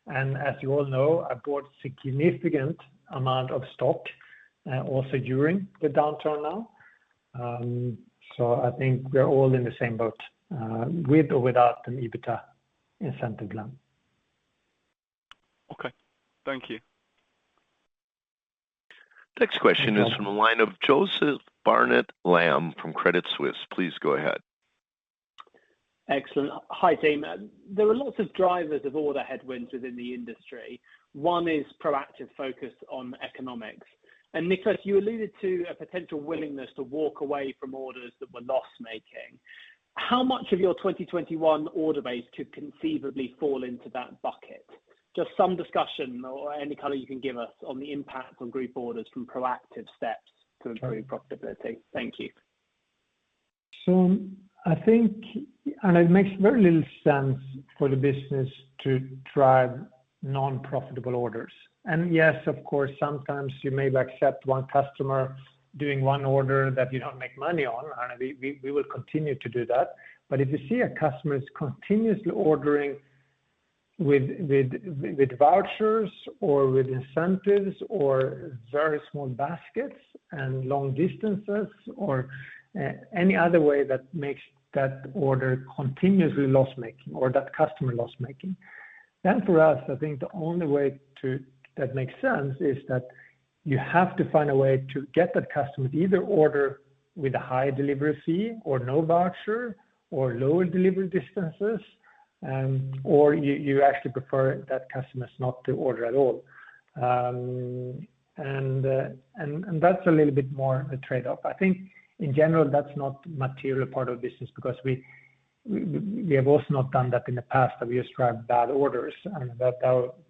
and as you all know, I bought significant amount of stock also during the downturn now. I think we're all in the same boat with or without an EBITDA incentive plan. Okay. Thank you. Next question is from the line of Joseph Barnet-Lamb from Credit Suisse. Please go ahead. Excellent. Hi, team. There are lots of drivers of order headwinds within the industry. One is proactive focus on economics. Niklas, you alluded to a potential willingness to walk away from orders that were loss-making. How much of your 2021 order base could conceivably fall into that bucket? Just some discussion or any color you can give us on the impact on group orders from proactive steps to improve profitability. Thank you. I think it makes very little sense for the business to drive non-profitable orders. Yes, of course, sometimes you may accept one customer doing one order that you don't make money on. We will continue to do that. But if you see a customer is continuously ordering with vouchers or with incentives or very small baskets and long distances or any other way that makes that order continuously loss-making or that customer loss-making, then for us, I think the only way that makes sense is that you have to find a way to get that customer to either order with a high delivery fee or no voucher or lower delivery distances, or you actually prefer that customer not to order at all. That's a little bit more a trade-off. I think in general, that's not material part of business because we have also not done that in the past, that we describe bad orders, and that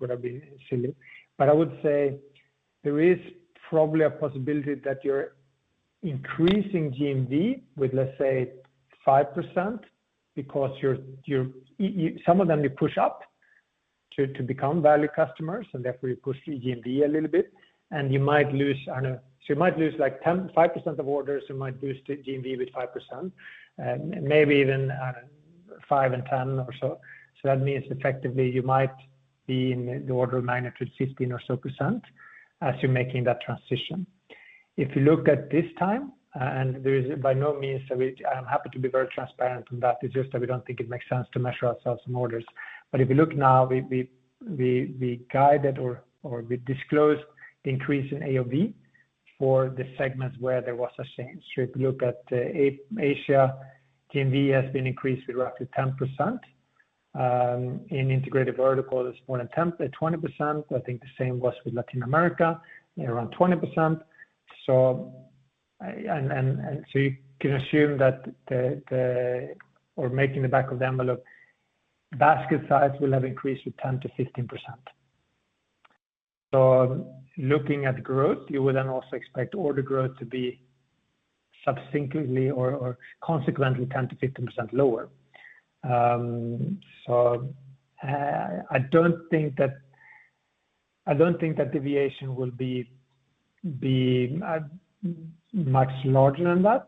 would have been silly. I would say there is probably a possibility that you're increasing GMV with, let's say, 5% because you're some of them you push up to become value customers, and therefore you push GMV a little bit, and you might lose, I don't know. You might lose like 10%, 5% of orders, you might boost GMV with 5%, maybe even, I don't know, 5% and 10% or so. That means effectively you might be in the order of magnitude 15 or so percent as you're making that transition. If you look at this time, there is by no means that we. I'm happy to be very transparent on that. It's just that we don't think it makes sense to measure ourselves in orders. If you look now, we guided or we disclosed the increase in AOV for the segments where there was a change. If you look at Asia, GMV has been increased with roughly 10%. In Integrated Verticals, it's more than 20%. I think the same was with Latin America, around 20%. You can assume that or making the back of the envelope basket size will have increased with 10%-15%. Looking at growth, you would then also expect order growth to be substantially or consequently 10%-15% lower. I don't think that deviation will be much larger than that.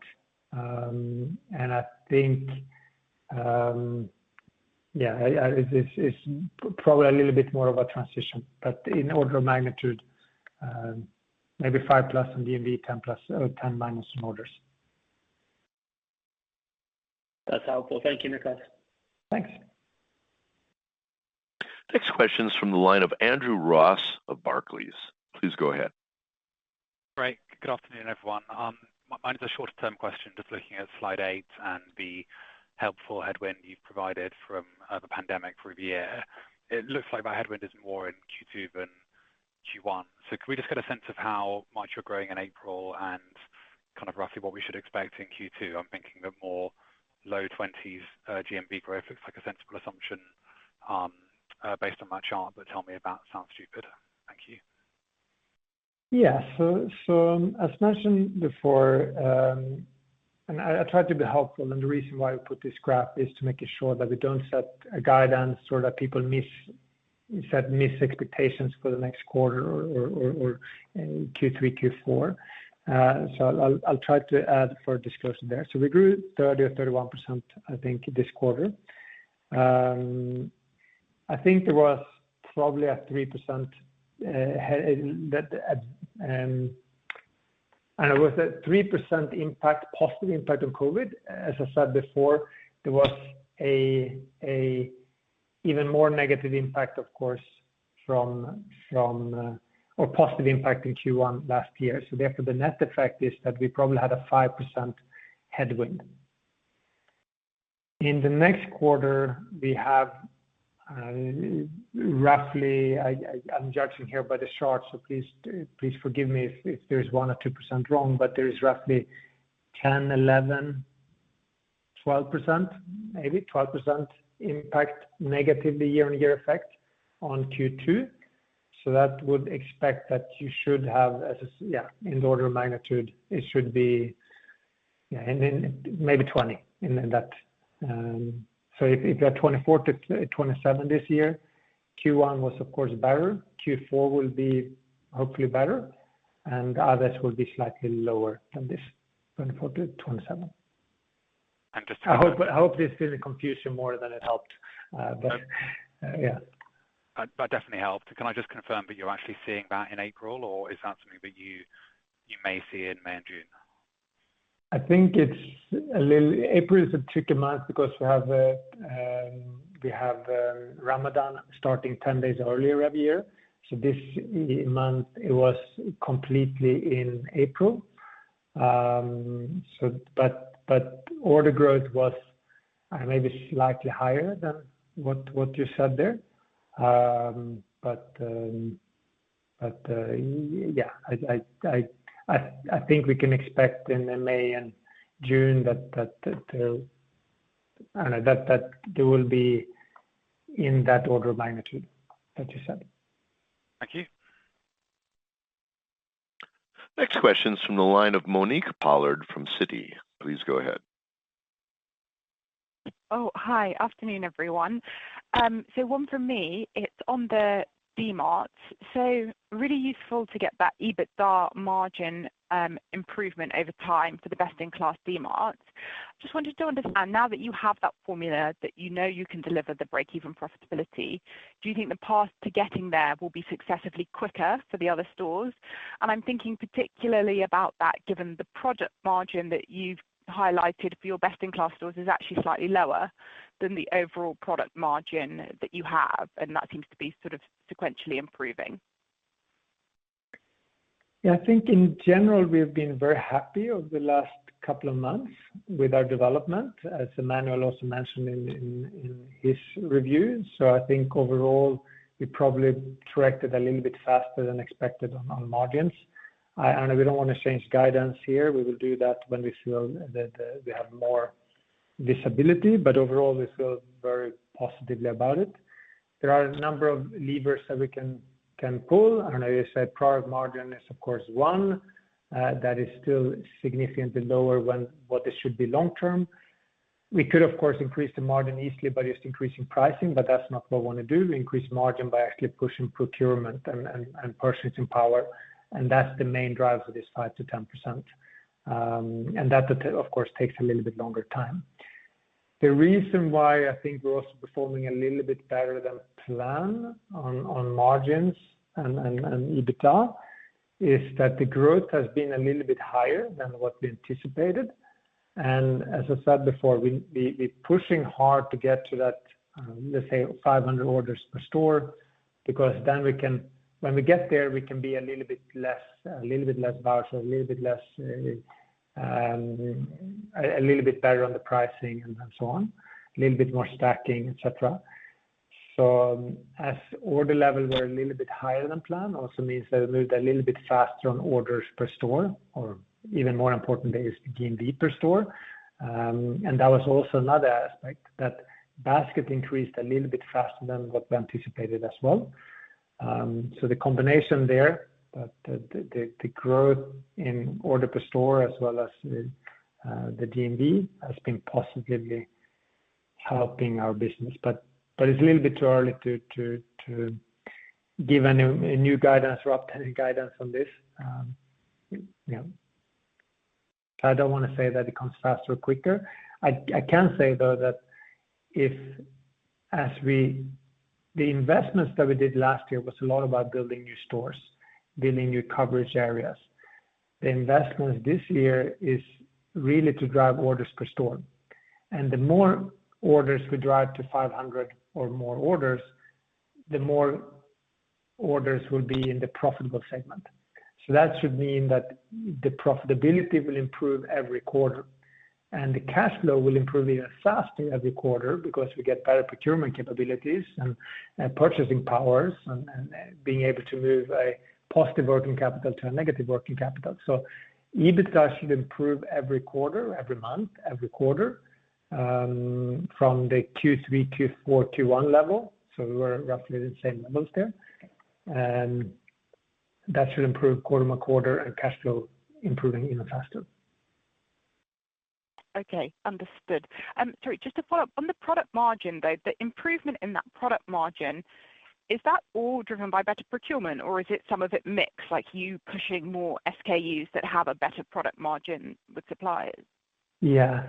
I think, yeah, it's probably a little bit more of a transition. In order of magnitude, maybe 5%+ in GMV, 10%+ or 10%- in orders. That's helpful. Thank you, Niklas. Thanks. Next question is from the line of Andrew Ross of Barclays. Please go ahead. Great. Good afternoon, everyone. Mine is a short-term question, just looking at Slide 8 and the helpful headwind you've provided from the pandemic through the year. It looks like that headwind is more in Q2 than Q1. Can we just get a sense of how much you're growing in April and kind of roughly what we should expect in Q2? I'm thinking that low 20s% GMV growth looks like a sensible assumption based on that chart, but tell me if that sounds stupid. Thank you. As mentioned before, I try to be helpful, and the reason why we put this graph is to make sure that we don't set a guidance so that people miss expectations for the next quarter or Q3, Q4. I'll try to add more disclosure there. We grew 30% or 31%, I think, this quarter. I think there was probably a 3%, and it was a 3% positive impact of COVID. As I said before, there was an even more positive impact in Q1 last year. Therefore, the net effect is that we probably had a 5% headwind. In the next quarter, we have roughly, I'm judging here by the charts, so please forgive me if there's 1% or 2% wrong, but there is roughly 10%, 11%, 12%, maybe 12% impact negatively year-over-year effect on Q2. That would expect that you should have in the order of magnitude, it should be, and then maybe 20 in that. If you are 24%-27% this year, Q1 was of course better. Q4 will be hopefully better, and others will be slightly lower than this 24%-27%. I'm just-. I hope this didn't confuse you more than it helped. Yeah. That definitely helped. Can I just confirm that you're actually seeing that in April, or is that something that you may see in May and June? April is a tricky month because we have Ramadan starting 10-days earlier every year. This month, it was completely in April. Order growth was maybe slightly higher than what you said there. I think we can expect in May and June that I know that there will be in that order of magnitude, what you said. Thank you. Next question is from the line of Monique Pollard from Citi. Please go ahead. Oh, hi. Afternoon, everyone. One from me, it's on the Dmart. Really useful to get that EBITDA margin improvement over time for the best-in-class Dmart. Just wanted to understand, now that you have that formula, that you know you can deliver the break-even profitability, do you think the path to getting there will be successively quicker for the other stores? I'm thinking particularly about that, given the product margin that you've highlighted for your best-in-class stores is actually slightly lower than the overall product margin that you have, and that seems to be sort of sequentially improving. Yeah. I think in general, we have been very happy over the last couple of months with our development, as Emmanuel also mentioned in his reviews. I think overall, we probably tracked it a little bit faster than expected on margins. And we don't want to change guidance here. We will do that when we feel that we have more visibility. Overall, we feel very positively about it. There are a number of levers that we can pull. I know you said product margin is of course one, that is still significantly lower than what it should be long term. We could of course increase the margin easily by just increasing pricing, but that's not what we want to do. We increase margin by actually pushing procurement and purchasing power, and that's the main driver for this 5%-10%. That of course takes a little bit longer time. The reason why I think we're also performing a little bit better than planned on margins and EBITDA is that the growth has been a little bit higher than what we anticipated. As I said before, we're pushing hard to get to that, let's say 500 orders per store because then we can. When we get there, we can be a little bit less bars or a little bit better on the pricing and so on, a little bit more stacking, et cetera. As order levels were a little bit higher than planned also means that we moved a little bit faster on orders per store or even more importantly is GMV per store. That was also another aspect that basket increased a little bit faster than what we anticipated as well. The combination there, the growth in order per store as well as the GMV has been positively helping our business. It's a little bit too early to give a new guidance or updated guidance on this. I don't want to say that it comes faster or quicker. I can say though that the investments that we did last year was a lot about building new stores, building new coverage areas. The investments this year is really to drive orders per store. The more orders we drive to 500 or more orders, the more orders will be in the profitable segment. That should mean that the profitability will improve every quarter, and the cash flow will improve even faster every quarter because we get better procurement capabilities and purchasing powers and being able to move a positive working capital to a negative working capital. EBITDA should improve every quarter, every month, every quarter, from the Q3-Q4-Q1 level. We were roughly the same levels there. That should improve quarter on quarter and cash flow improving even faster. Okay. Understood. Sorry, just to follow up. On the product margin, though, the improvement in that product margin, is that all driven by better procurement or is it some of it mixed, like you pushing more SKUs that have a better product margin with suppliers? Yeah.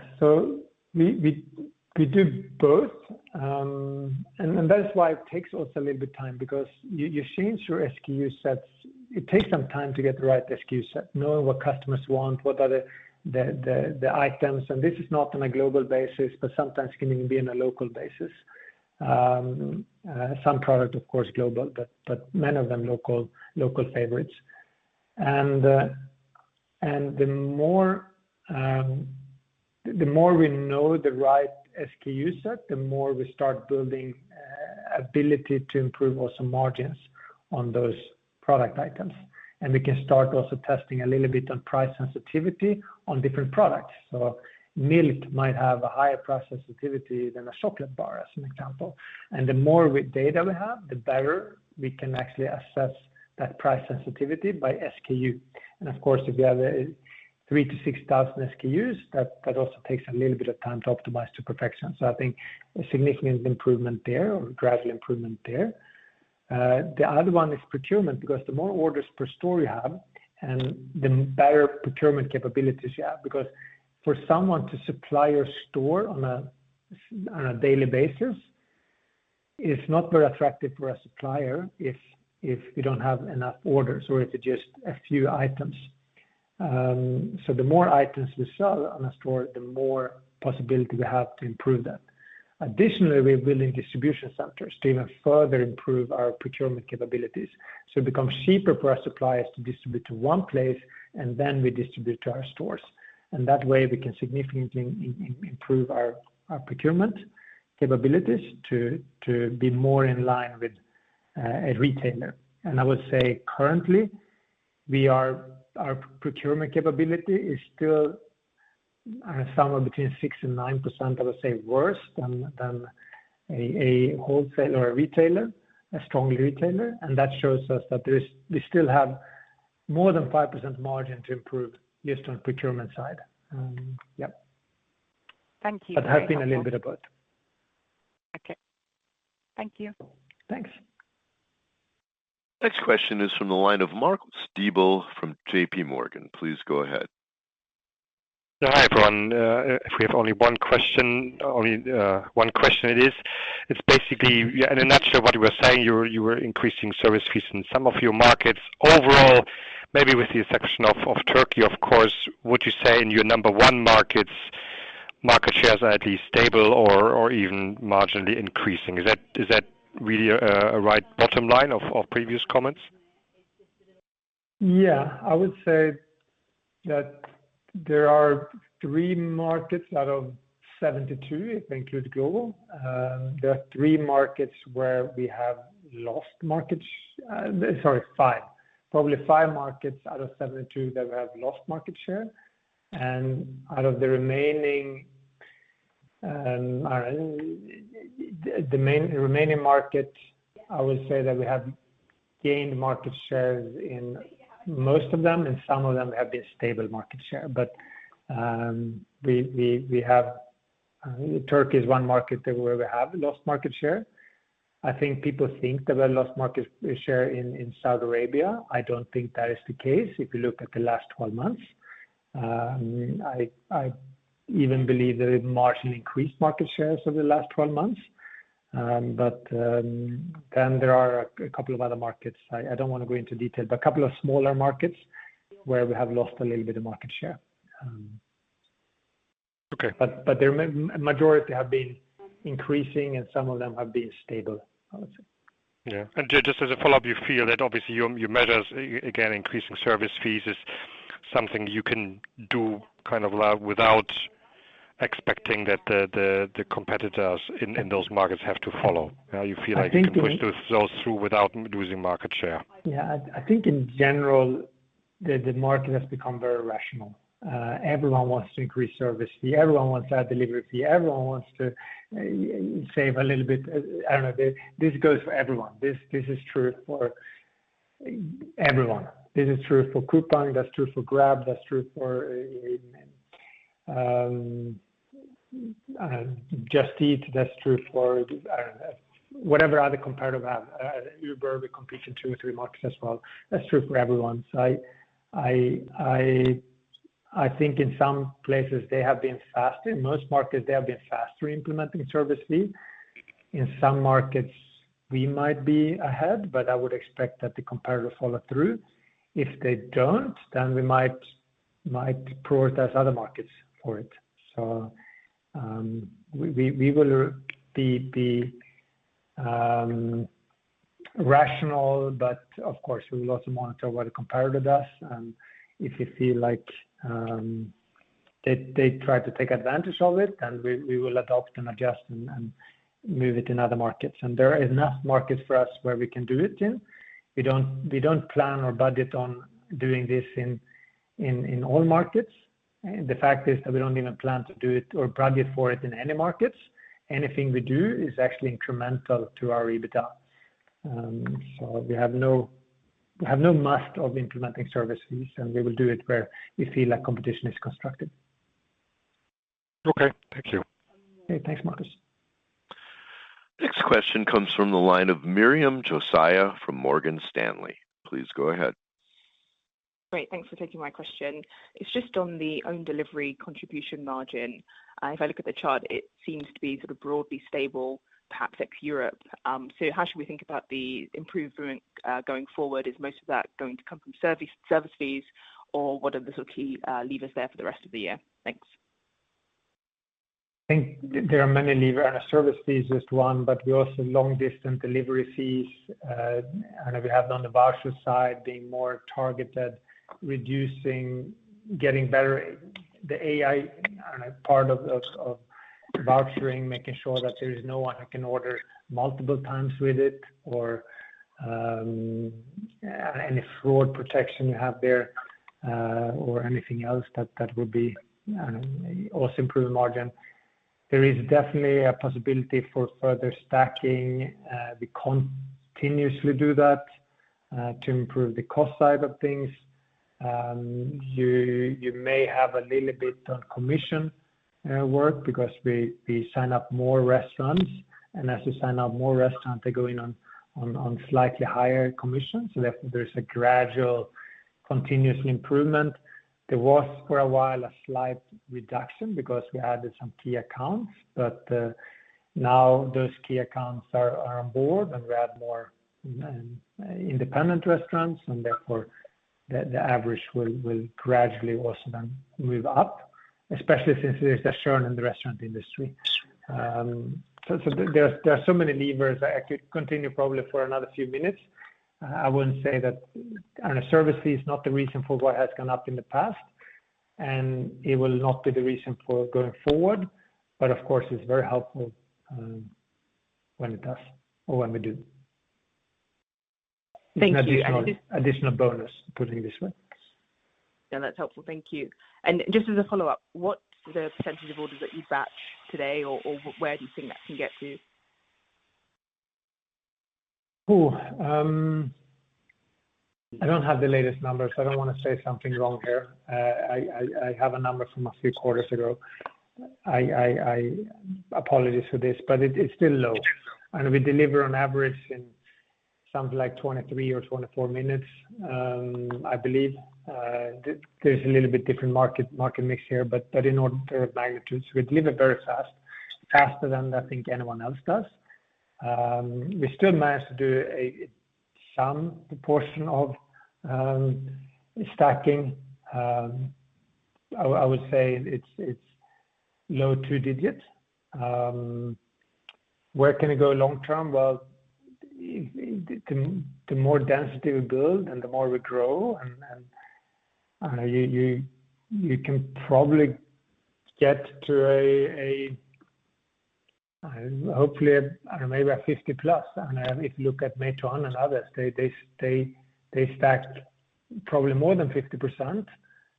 We do both, and that is why it takes us a little bit time because you change your SKU sets, it takes some time to get the right SKU set, know what customers want, what are the items. This is not on a global basis, but sometimes can even be on a local basis. Some product of course global, but many of them local favorites. The more we know the right SKU set, the more we start building ability to improve also margins on those product items. We can start also testing a little bit on price sensitivity on different products. Milk might have a higher price sensitivity than a chocolate bar, as an example. The more data we have, the better we can actually assess that price sensitivity by SKU. Of course, if you have 3,000-6,000 SKUs, that also takes a little bit of time to optimize to perfection. I think a significant improvement there or gradual improvement there. The other one is procurement because the more orders per store you have and the better procurement capabilities you have because for someone to supply your store on a daily basis is not very attractive for a supplier if you don't have enough orders or if it's just a few items. The more items we sell on a store, the more possibility we have to improve that. Additionally, we're building distribution centers to even further improve our procurement capabilities. It becomes cheaper for our suppliers to distribute to one place, and then we distribute to our stores. That way we can significantly improve our procurement capabilities to be more in line with a retailer. I would say currently we are. Our procurement capability is still somewhere between 6%-9%, I would say worse than a wholesaler or retailer, a strong retailer. That shows us we still have more than 5% margin to improve just on procurement side. Thank you. has been a little bit of both. Okay. Thank you. Thanks. Next question is from the line of Marcus Diebel from JP Morgan. Please go ahead. Hi, everyone. If we have only one question it is. It's basically, in a nutshell what you were saying, you were increasing service fees in some of your markets. Overall, maybe with the exception of Turkey of course, would you say in your number one markets, market shares are at least stable or even marginally increasing? Is that really a right bottom line of previous comments? Yeah. I would say that there are three markets out of 72, if I include global, there are three markets where we have lost market share. Sorry, five. Probably five markets out of 72 that we have lost market share. Out of the remaining markets, I would say that we have gained market shares in most of them, and some of them have been stable market share. We have Turkey is one market where we have lost market share. I think people think that we lost market share in Saudi Arabia. I don't think that is the case if you look at the last 12-months. I even believe that we've marginally increased market shares over the last 12-months. There are a couple of other markets. I don't want to go into detail, but a couple of smaller markets where we have lost a little bit of market share. Okay. The majority have been increasing and some of them have been stable, I would say. Yeah. Just as a follow-up, you feel that obviously your measures, again, increasing service fees is something you can do kind of without expecting that the competitors in those markets have to follow. How you feel like. I think. You can push those through without losing market share. Yeah. I think in general, the market has become very rational. Everyone wants to increase service fee. Everyone wants to add delivery fee. Everyone wants to save a little bit. I don't know. This goes for everyone. This is true for everyone. This is true for Coupang, that's true for Grab, that's true for, I don't know, Just Eat, that's true for, I don't know, whatever other competitor we have. Uber, we compete in two or three markets as well. That's true for everyone. I think in some places they have been faster. In most markets, they have been faster implementing service fee. In some markets, we might be ahead, but I would expect that the competitor follow through. If they don't, then we might prioritize other markets for it. We will be rational, but of course, we will also monitor what a competitor does, and if we feel like they try to take advantage of it, then we will adopt and adjust and move it in other markets. There are enough markets for us where we can do it in. We don't plan or budget on doing this in all markets. The fact is that we don't even plan to do it or budget for it in any markets. Anything we do is actually incremental to our EBITDA. We have no rush to implementing service fees, and we will do it where we feel like competition is concerned. Okay. Thank you. Okay. Thanks, Marcus. Next question comes from the line of Miriam Josiah from Morgan Stanley. Please go ahead. Great. Thanks for taking my question. It's just on the own delivery contribution margin. If I look at the chart, it seems to be sort of broadly stable, perhaps ex-Europe. So how should we think about the improvement going forward? Is most of that going to come from service fees or what are the sort of key levers there for the rest of the year? Thanks. I think there are many levers and a service fee is just one, but we also have long-distance delivery fees. We have it on the voucher side, being more targeted, reducing, getting better. The AI, I don't know, part of vouchering, making sure that there is no one who can order multiple times with it or any fraud protection you have there or anything else that would be also improve the margin. There is definitely a possibility for further stacking. We continuously do that to improve the cost side of things. You may have a little bit on commission work because we sign up more restaurants, and as you sign up more restaurants, they're going on slightly higher commissions. There's a gradual continuous improvement. There was for a while a slight reduction because we added some key accounts, but now those key accounts are on board and we add more independent restaurants and therefore the average will gradually also then move up, especially since there's a churn in the restaurant industry. There are so many levers I could continue probably for another few minutes. I wouldn't say that the service fee is not the reason for what has gone up in the past, and it will not be the reason for going forward. Of course, it's very helpful when it does or when we do. Thank you. Additional bonus, put it this way. No, that's helpful. Thank you. Just as a follow-up, what the percentage of orders that you batch today or where do you think that can get to? I don't have the latest numbers. I don't want to say something wrong here. I have a number from a few quarters ago. I apologize for this, but it's still low. We deliver on average in something like 23 or 24 minutes, I believe. There's a little bit different market mix here, but in order of magnitude, we deliver very fast, faster than I think anyone else does. We still manage to do some proportion of stacking. I would say it's low two digits. Where can it go long term? The more density we build and the more we grow and you can probably get to a hopefully, I don't know, maybe a 50+. If you look at Meituan and others, they stacked probably more than 50%.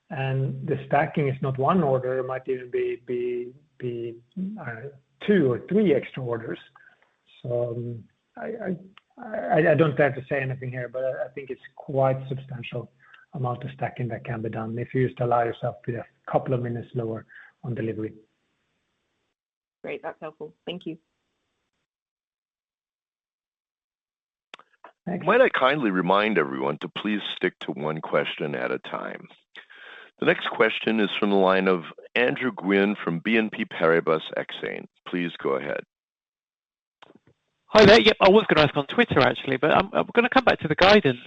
The stacking is not one order. It might even be, I don't know, two or three extra orders. I don't dare to say anything here, but I think it's quite substantial amount of stacking that can be done if you just allow yourself a couple of minutes lower on delivery. Great. That's helpful. Thank you. Thanks. Might I kindly remind everyone to please stick to one question at a time. The next question is from the line of Andrew Gwynn from Exane BNP Paribas. Please go ahead. Hi there. Yeah, I was gonna ask on Turkey actually, but I'm gonna come back to the guidance.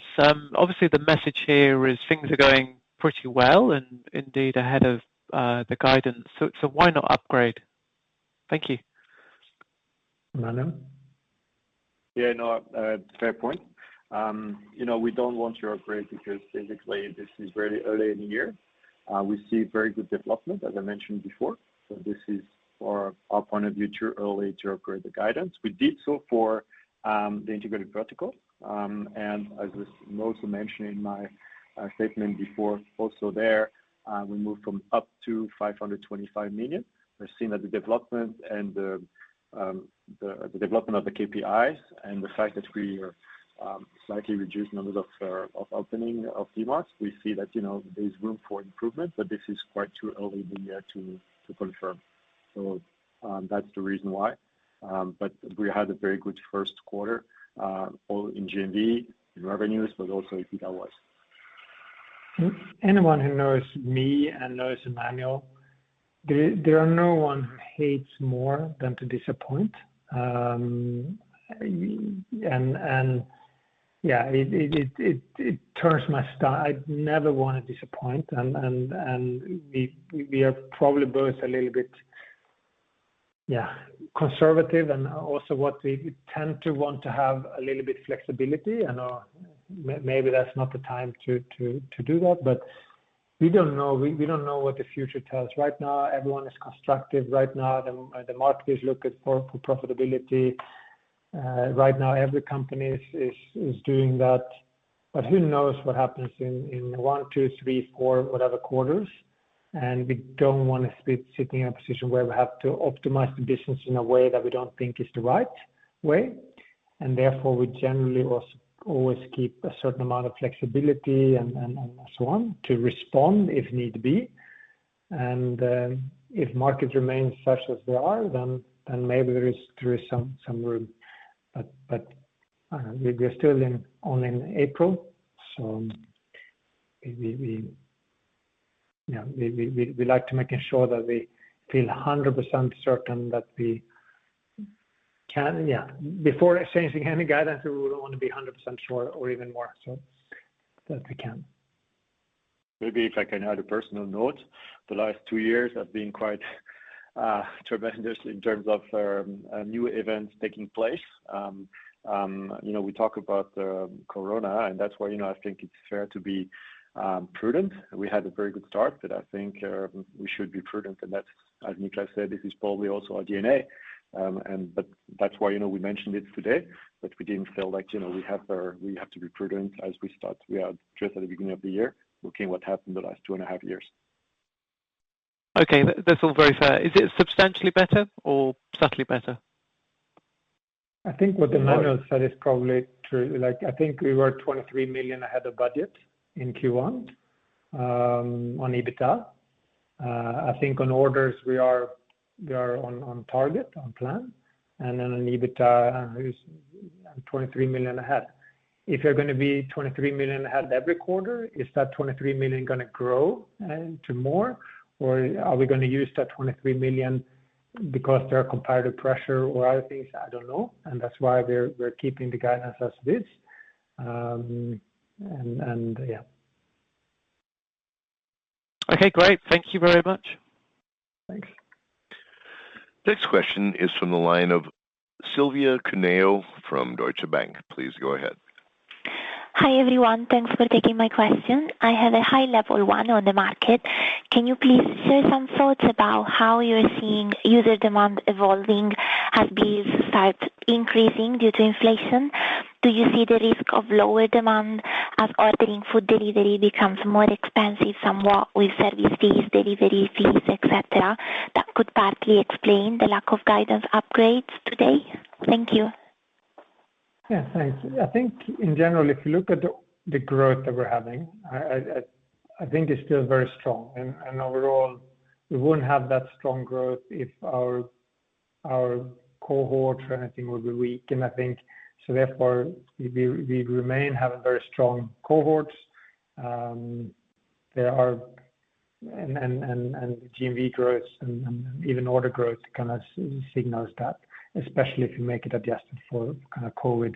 Obviously the message here is things are going pretty well and indeed ahead of the guidance. So why not upgrade? Thank you. Emmanuel? Yeah, no, fair point. You know, we don't want to upgrade because fiscally this is very early in the year. We see very good development as I mentioned before. This is from our point of view, too early to upgrade the guidance. We did so for the integrated vertical. As was also mentioned in my statement before, also there, we moved it up to 525 million. We're seeing that the development of the KPIs and the fact that we have slightly reduced the number of openings of DMarts. We see that, you know, there's room for improvement, but this is quite too early in the year to confirm. That's the reason why. We had a very good first quarter, all in GMV, in revenues, but also EBITDA wise. Anyone who knows me and knows Emmanuel, there is no one who hates more than to disappoint. I never wanna disappoint. We are probably both a little bit, yeah, conservative and also what we tend to want to have a little bit flexibility. I know maybe that's not the time to do that, but we don't know. We don't know what the future tells. Right now everyone is constructive. Right now the market is looking for profitability. Right now every company is doing that. Who knows what happens in one, two, three, four, whatever quarters. We don't want to be sitting in a position where we have to optimize the business in a way that we don't think is the right way. Therefore, we generally always keep a certain amount of flexibility and so on to respond if need be. If markets remain such as they are, then maybe there is some room. We're still only in April, so we like to making sure that we feel 100% certain that we can. Before changing any guidance, we would want to be 100% sure or even more so that we can. Maybe if I can add a personal note. The last two years have been quite tremendous in terms of new events taking place. You know, we talk about corona, and that's why, you know, I think it's fair to be prudent. We had a very good start, but I think we should be prudent. That, as Niklas said, this is probably also our DNA. That's why, you know, we mentioned it today, but we didn't feel like, you know, we have to be prudent as we start. We are just at the beginning of the year, looking what happened the last two and a half years. Okay. That's all very fair. Is it substantially better or subtly better? I think what Emmanuel said is probably true. Like, I think we were 23 million ahead of budget in Q1, on EBITDA. I think on orders we are on target, on plan. Then on EBITDA, it was 23 million ahead. If you're gonna be 23 million ahead every quarter, is that 23 million gonna grow into more, or are we gonna use that 23 million because there are comparative pressure or other things? I don't know. That's why we're keeping the guidance as it is. Yeah. Okay, great. Thank you very much. Thanks. Next question is from the line of Silvia Cuneo from Deutsche Bank. Please go ahead. Hi, everyone. Thanks for taking my question. I have a high level one on the market. Can you please share some thoughts about how you're seeing user demand evolving as bills start increasing due to inflation? Do you see the risk of lower demand as ordering food delivery becomes more expensive, somewhat with service fees, delivery fees, et cetera, that could partly explain the lack of guidance upgrades today? Thank you. Yeah, thanks. I think in general, if you look at the growth that we're having, I think it's still very strong. Overall, we wouldn't have that strong growth if our cohort or anything would be weak. I think so therefore, we remain having very strong cohorts. There are GMV growth and even order growth kinda signals that, especially if you make it adjusted for kinda COVID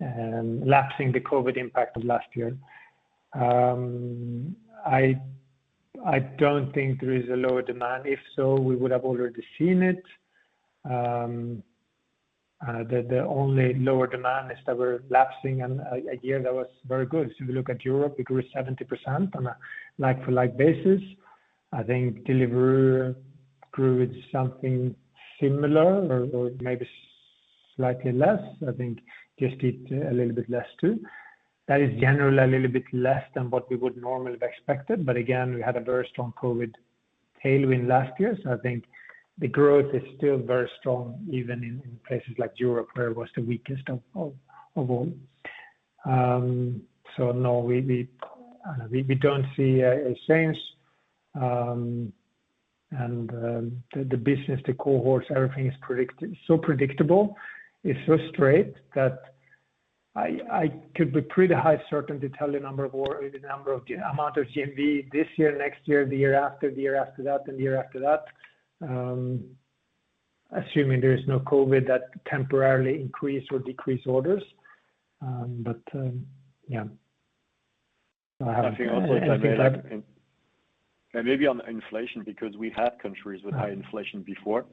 and lapsing the COVID impact of last year. I don't think there is a lower demand. If so, we would have already seen it. The only lower demand is that we're lapsing a year that was very good. If you look at Europe, we grew 70% on a like-for-like basis. I think Deliveroo grew with something similar or maybe slightly less. I think Just Eat a little bit less, too. That is generally a little bit less than what we would normally have expected. Again, we had a very strong COVID tailwind last year, so I think the growth is still very strong, even in places like Europe, where it was the weakest of all. No, we don't see a change. The business, the cohorts, everything is so predictable. It's so straight that I could be pretty high certainty tell the amount of GMV this year, next year, the year after, the year after that, and the year after that, assuming there is no COVID that temporarily increase or decrease orders. Yeah. Nothing on that. Anything to add? Maybe on inflation, because we had countries with high inflation before.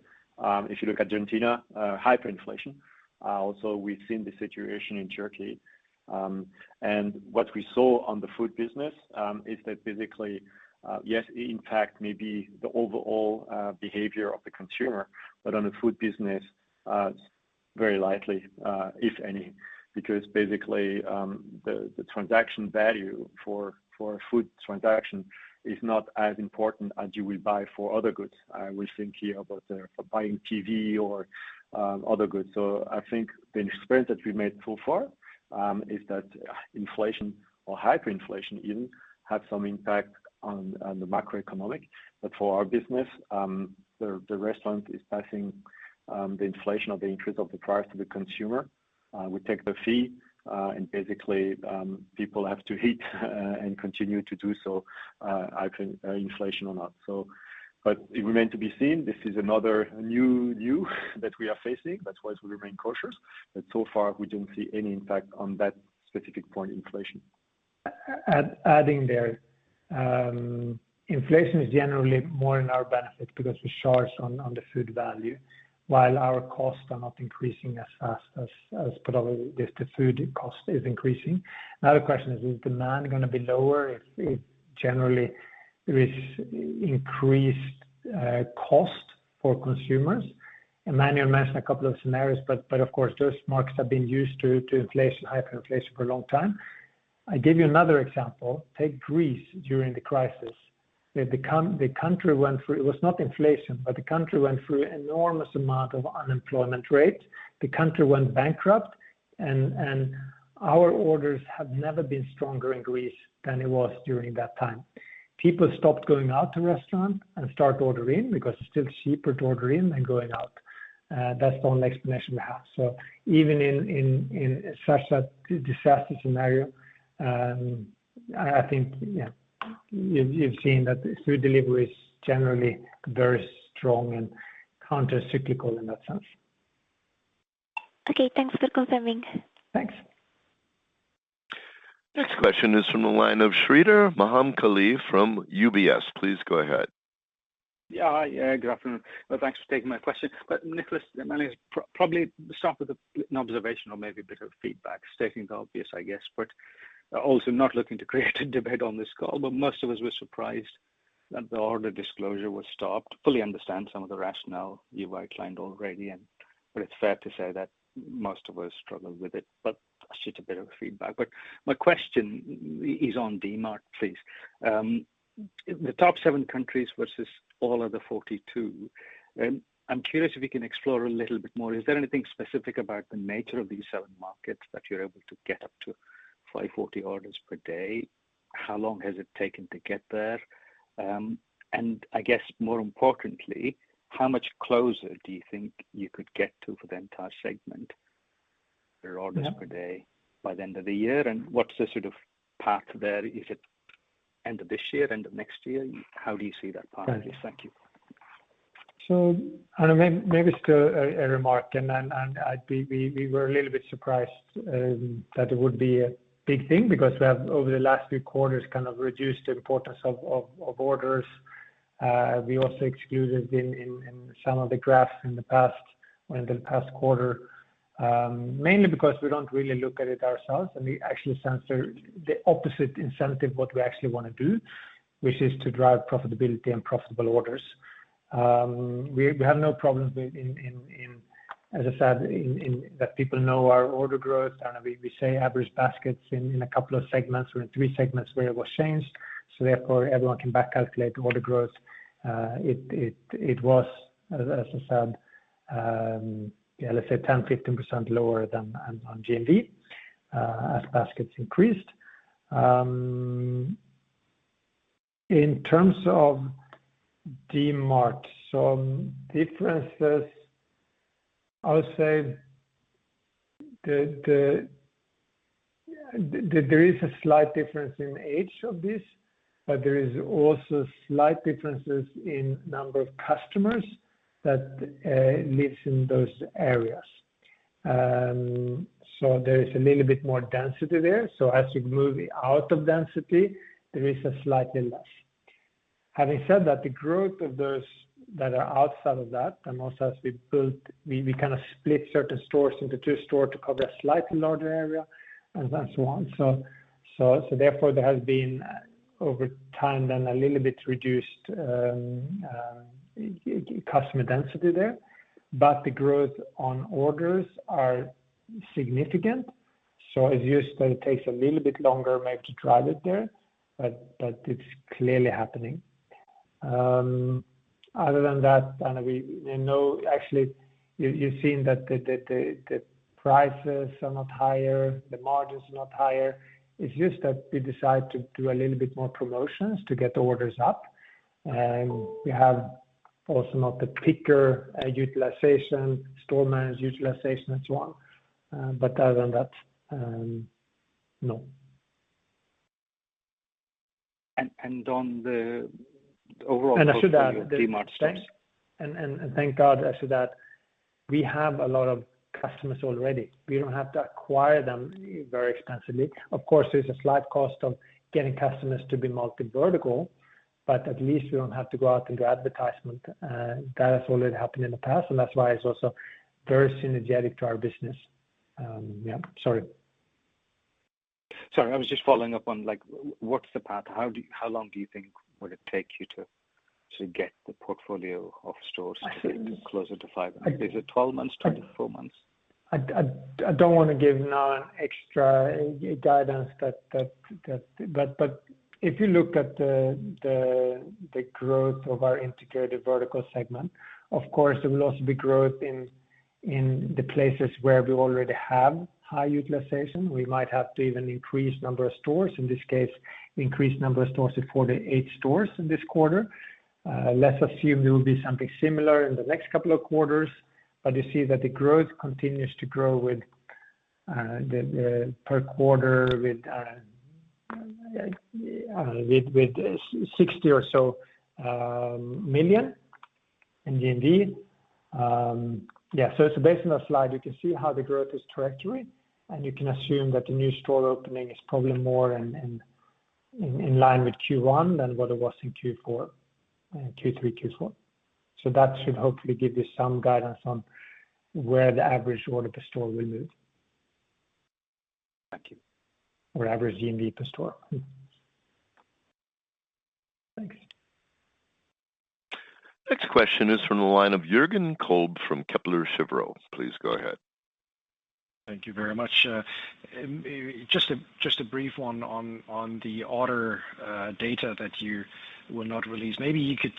If you look at Argentina, hyperinflation. Also we've seen the situation in Turkey. What we saw on the food business is that basically, yes, it impact maybe the overall behavior of the consumer. But on the food business, very lightly, if any, because basically, the transaction value for a food transaction is not as important as you will buy for other goods. I will think here about buying TV or other goods. I think the experience that we made so far is that inflation or hyperinflation even have some impact on the macroeconomic. But for our business, the restaurant is passing the inflation or the increase of the price to the consumer. We take the fee, and basically, people have to eat, and continue to do so, I think, inflation or not. It remains to be seen. This is another new view that we are facing. That's why we remain cautious. So far, we don't see any impact on that specific point, inflation. Inflation is generally more in our benefit because we charge on the food value, while our costs are not increasing as fast as probably the food cost is increasing. Now the question is demand gonna be lower if generally there is increased cost for consumers. Emmanuel mentioned a couple of scenarios, but of course, those markets have been used to inflation, hyperinflation for a long time. I give you another example. Take Greece during the crisis. The country went through. It was not inflation, but the country went through enormous amount of unemployment rate. The country went bankrupt and our orders have never been stronger in Greece than it was during that time. People stopped going out to restaurant and start order in because it's still cheaper to order in than going out. That's the only explanation we have. Even in such a disaster scenario, I think you've seen that food delivery is generally very strong and countercyclical in that sense. Okay. Thanks for confirming. Thanks. Next question is from the line of Sreedhar Mahamkali from UBS. Please go ahead. Yeah. Hi. Yeah, good afternoon. Well, thanks for taking my question. Niklas, probably start with an observation or maybe a bit of feedback, stating the obvious, I guess, but also not looking to create a debate on this call, but most of us were surprised that the order disclosure was stopped. Fully understand some of the rationale you outlined already, but it's fair to say that most of us struggle with it. Just a bit of a feedback. My question is on the Dmart, please. The top seven countries versus all of the 42, I'm curious if you can explore a little bit more. Is there anything specific about the nature of these seven markets that you're able to get up to 540 orders per day? How long has it taken to get there? I guess more importantly, how much closer do you think you could get to for the entire segment for orders per day by the end of the year? What's the sort of path there? Is it end of this year, end of next year? How do you see that path? Thank you. Maybe still a remark and then we were a little bit surprised that it would be a big thing because we have over the last few quarters kind of reduced the importance of orders. We also excluded it in some of the graphs in the past or in the past quarter mainly because we don't really look at it ourselves, and we actually create the opposite incentive to what we actually wanna do, which is to drive profitability and profitable orders. We have no problems with, as I said, in that people know our order growth and we say average baskets in a couple of segments or in three segments where it was changed. Therefore everyone can back calculate order growth. It was as I said, let's say 10%-15% lower than on GMV, as baskets increased. In terms of Dmart. Differences, I would say the, there is a slight difference in age of this, but there is also slight differences in number of customers that lives in those areas. There is a little bit more density there. As you move out of density, there is a slightly less. Having said that, the growth of those that are outside of that, and also as we built, we kind of split certain stores into two store to cover a slightly larger area and then so on. Therefore there has been over time then a little bit reduced, customer density there, but the growth on orders are significant. It's just that it takes a little bit longer maybe to drive it there, but it's clearly happening. Other than that, we know actually you've seen that the prices are not higher, the margin is not higher. It's just that we decide to do a little bit more promotions to get the orders up. We have also not the picker utilization, store manager utilization and so on. But other than that, no. And, and on the overall-. I should add that. Dmart stores. Thank God I should add, we have a lot of customers already. We don't have to acquire them very extensively. Of course, there's a slight cost of getting customers to be multi-vertical, but at least we don't have to go out and do advertisement. That has already happened in the past, and that's why it's also very synergetic to our business. Yeah. Sorry. Sorry. I was just following up on like what's the path? How long do you think would it take you to get the portfolio of stores closer to five? Is it 12-months, 24-months? I don't want to give now an extra guidance that. If you look at the growth of our Integrated Verticals segment, of course there will also be growth in the places where we already have high utilization. We might have to even increase number of stores. In this case, increase number of stores to 48 stores in this quarter. Let's assume there will be something similar in the next couple of quarters. You see that the growth continues to grow with the per quarter with EUR 60 or so million in GMV. It's based on the slide, you can see how the growth is trajectory, and you can assume that the new store opening is probably more in line with Q1 than what it was in Q4, Q3, Q4. That should hopefully give you some guidance on where the average order per store will move. Thank you. Average GMV per store. Thanks. Next question is from the line of Jürgen Kolb from Kepler Cheuvreux. Please go ahead. Thank you very much. Just a brief one on the order data that you will not release. Maybe you could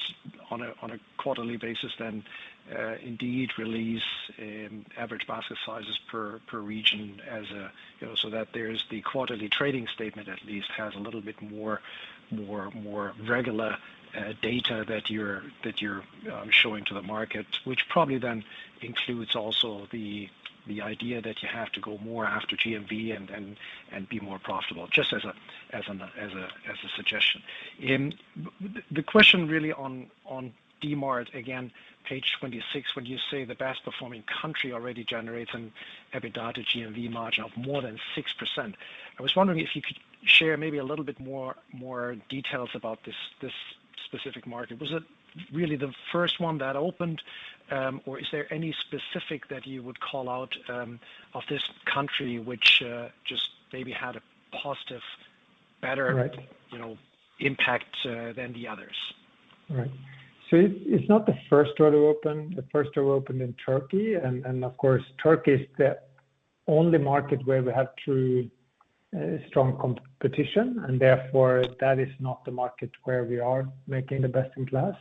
on a quarterly basis then indeed release average basket sizes per region as a you know so that there's the quarterly trading statement at least has a little bit more regular data that you're showing to the market, which probably then includes also the idea that you have to go more after GMV and be more profitable, just as a suggestion. The question really on Dmart again, Page 26, when you say the best performing country already generates an EBITDA to GMV margin of more than 6%, I was wondering if you could share maybe a little bit more details about this specific market. Was it really the first one that opened, or is there any specific that you would call out of this country which just maybe had a positive, better-. Right. You know, impact than the others? Right. It's not the first store to open. The first store opened in Turkey, and of course, Turkey is the only market where we have true strong competition, and therefore that is not the market where we are making the best-in-class.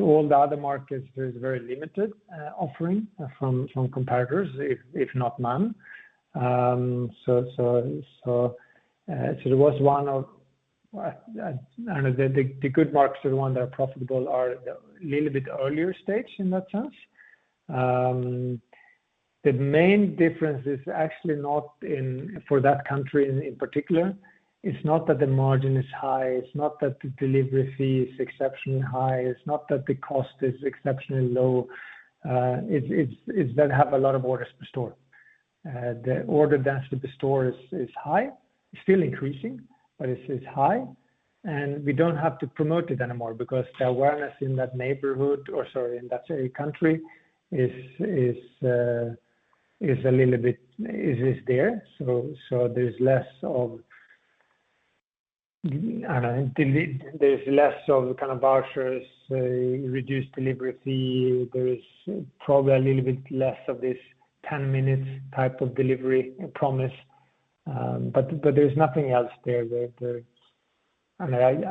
All the other markets, there is very limited offering from competitors, if not none. The good markets are the one that are profitable are a little bit earlier stage in that sense. The main difference is actually not for that country in particular. It's not that the margin is high, it's not that the delivery fee is exceptionally high, it's not that the cost is exceptionally low. It's that have a lot of orders per store. The order density per store is high. It's still increasing, but it's high. We don't have to promote it anymore because the awareness in that neighborhood or sorry, in that country is there. There's less of, I don't know, there's less of kind of vouchers, reduced delivery fee. There is probably a little bit less of this 10-minutes type of delivery promise. There's nothing else there. I mean,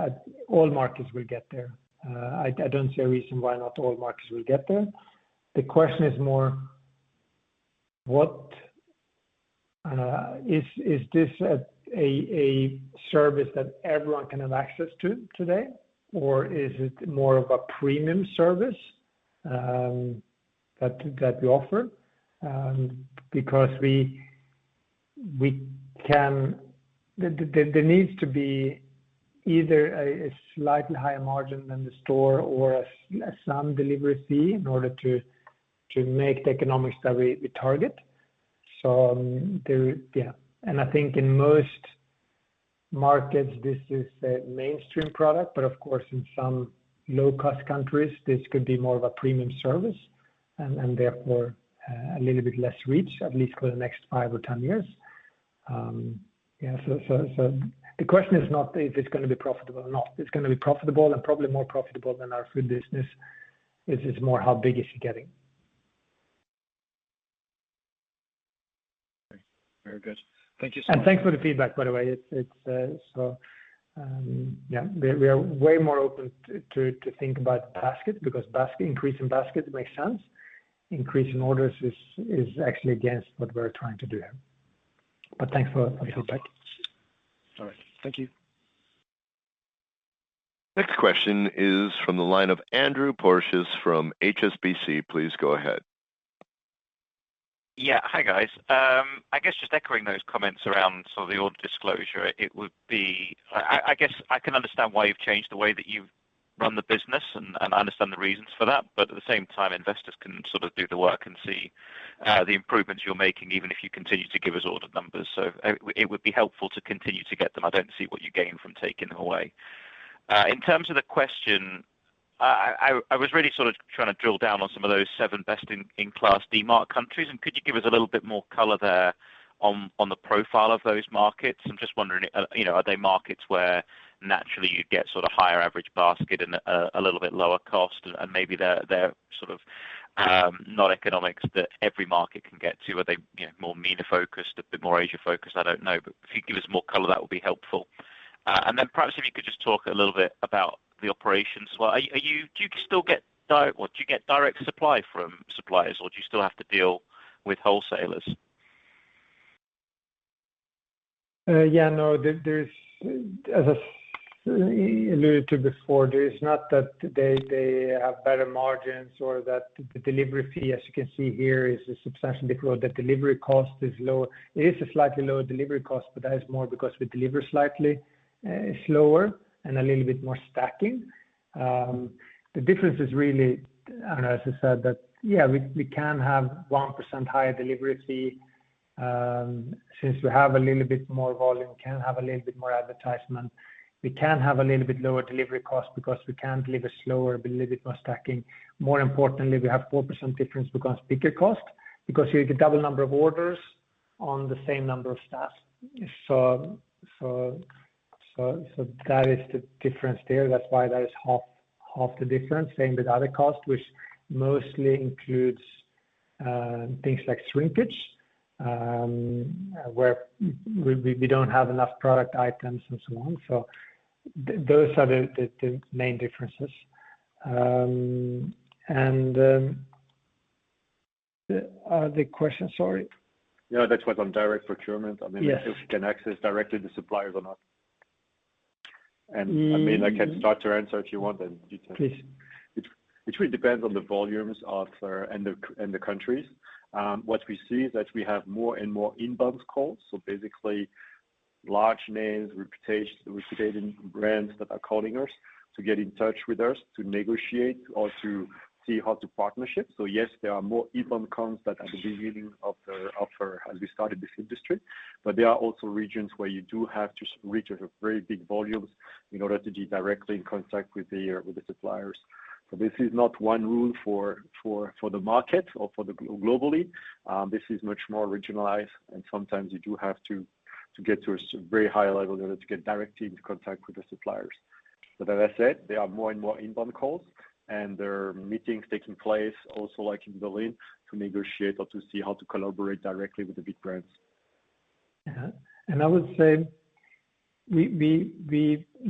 all markets will get there. I don't see a reason why not all markets will get there. The question is more what is this a service that everyone can have access to today, or is it more of a premium service that we offer? Because we can... There needs to be either a slightly higher margin than the store or some delivery fee in order to make the economics that we target. I think in most markets this is a mainstream product, but of course in some low-cost countries this could be more of a premium service and therefore a little bit less reach, at least for the next five or 10-years. The question is not if it's gonna be profitable or not. It's gonna be profitable and probably more profitable than our food business. It's more how big is it getting. Very good. Thank you so much. Thanks for the feedback, by the way. It's yeah, we are way more open to think about basket because basket increase in basket makes sense. Increase in orders is actually against what we're trying to do here. Thanks for the feedback. All right. Thank you. Next question is from the line of Andrew Porteous from HSBC. Please go ahead. Yeah. Hi, guys. I guess just echoing those comments around sort of the order disclosure. It would be I guess I can understand why you've changed the way that you've run the business and I understand the reasons for that. But at the same time, investors can sort of do the work and see the improvements you're making even if you continue to give us order numbers. So it would be helpful to continue to get them. I don't see what you gain from taking them away. In terms of the question, I was really sort of trying to drill down on some of those seven best in class Dmart countries. Could you give us a little bit more color there on the profile of those markets? I'm just wondering, you know, are they markets where naturally you'd get sort of higher average basket and a little bit lower cost and maybe they're sort of not economics that every market can get to. Are they, you know, more MENA focused, a bit more Asia focused? I don't know. If you give us more color that would be helpful. Then perhaps if you could just talk a little bit about the operations. Do you still get direct supply from suppliers or do you still have to deal with wholesalers? Yeah, no. There's, as I alluded to before, there is not that they have better margins or that the delivery fee, as you can see here, is substantially lower. The delivery cost is lower. It is a slightly lower delivery cost, but that is more because we deliver slightly slower and a little bit more stacking. The difference is really, I don't know, as I said, that, yeah, we can have 1% higher delivery fee, since we have a little bit more volume, can have a little bit more advertisement. We can have a little bit lower delivery cost because we can deliver slower, a little bit more stacking. More importantly, we have 4% difference because picker cost, because you get double number of orders on the same number of staff. So, that is the difference there. That's why that is half the difference. Same with other costs, which mostly includes things like shrinkage, where we don't have enough product items and so on. Those are the main differences. The question, sorry. No, that was on direct procurement. I mean. Yes. If you can access directly the suppliers or not? Mm-hmm. I mean, I can start to answer if you want, and you can. Please. It really depends on the volumes and the countries. What we see is that we have more and more inbound calls, so basically large names, reputable brands that are calling us to get in touch with us to negotiate or to see how to partner. Yes, there are more inbound calls than at the beginning as we started this industry. There are also regions where you do have to reach very big volumes in order to be directly in contact with the suppliers. This is not one rule for the market or for globally. This is much more regionalized, and sometimes you do have to get to a very high level in order to get directly into contact with the suppliers. As I said, there are more and more inbound calls, and there are meetings taking place also like in Berlin, to negotiate or to see how to collaborate directly with the big brands. Yeah. I would say we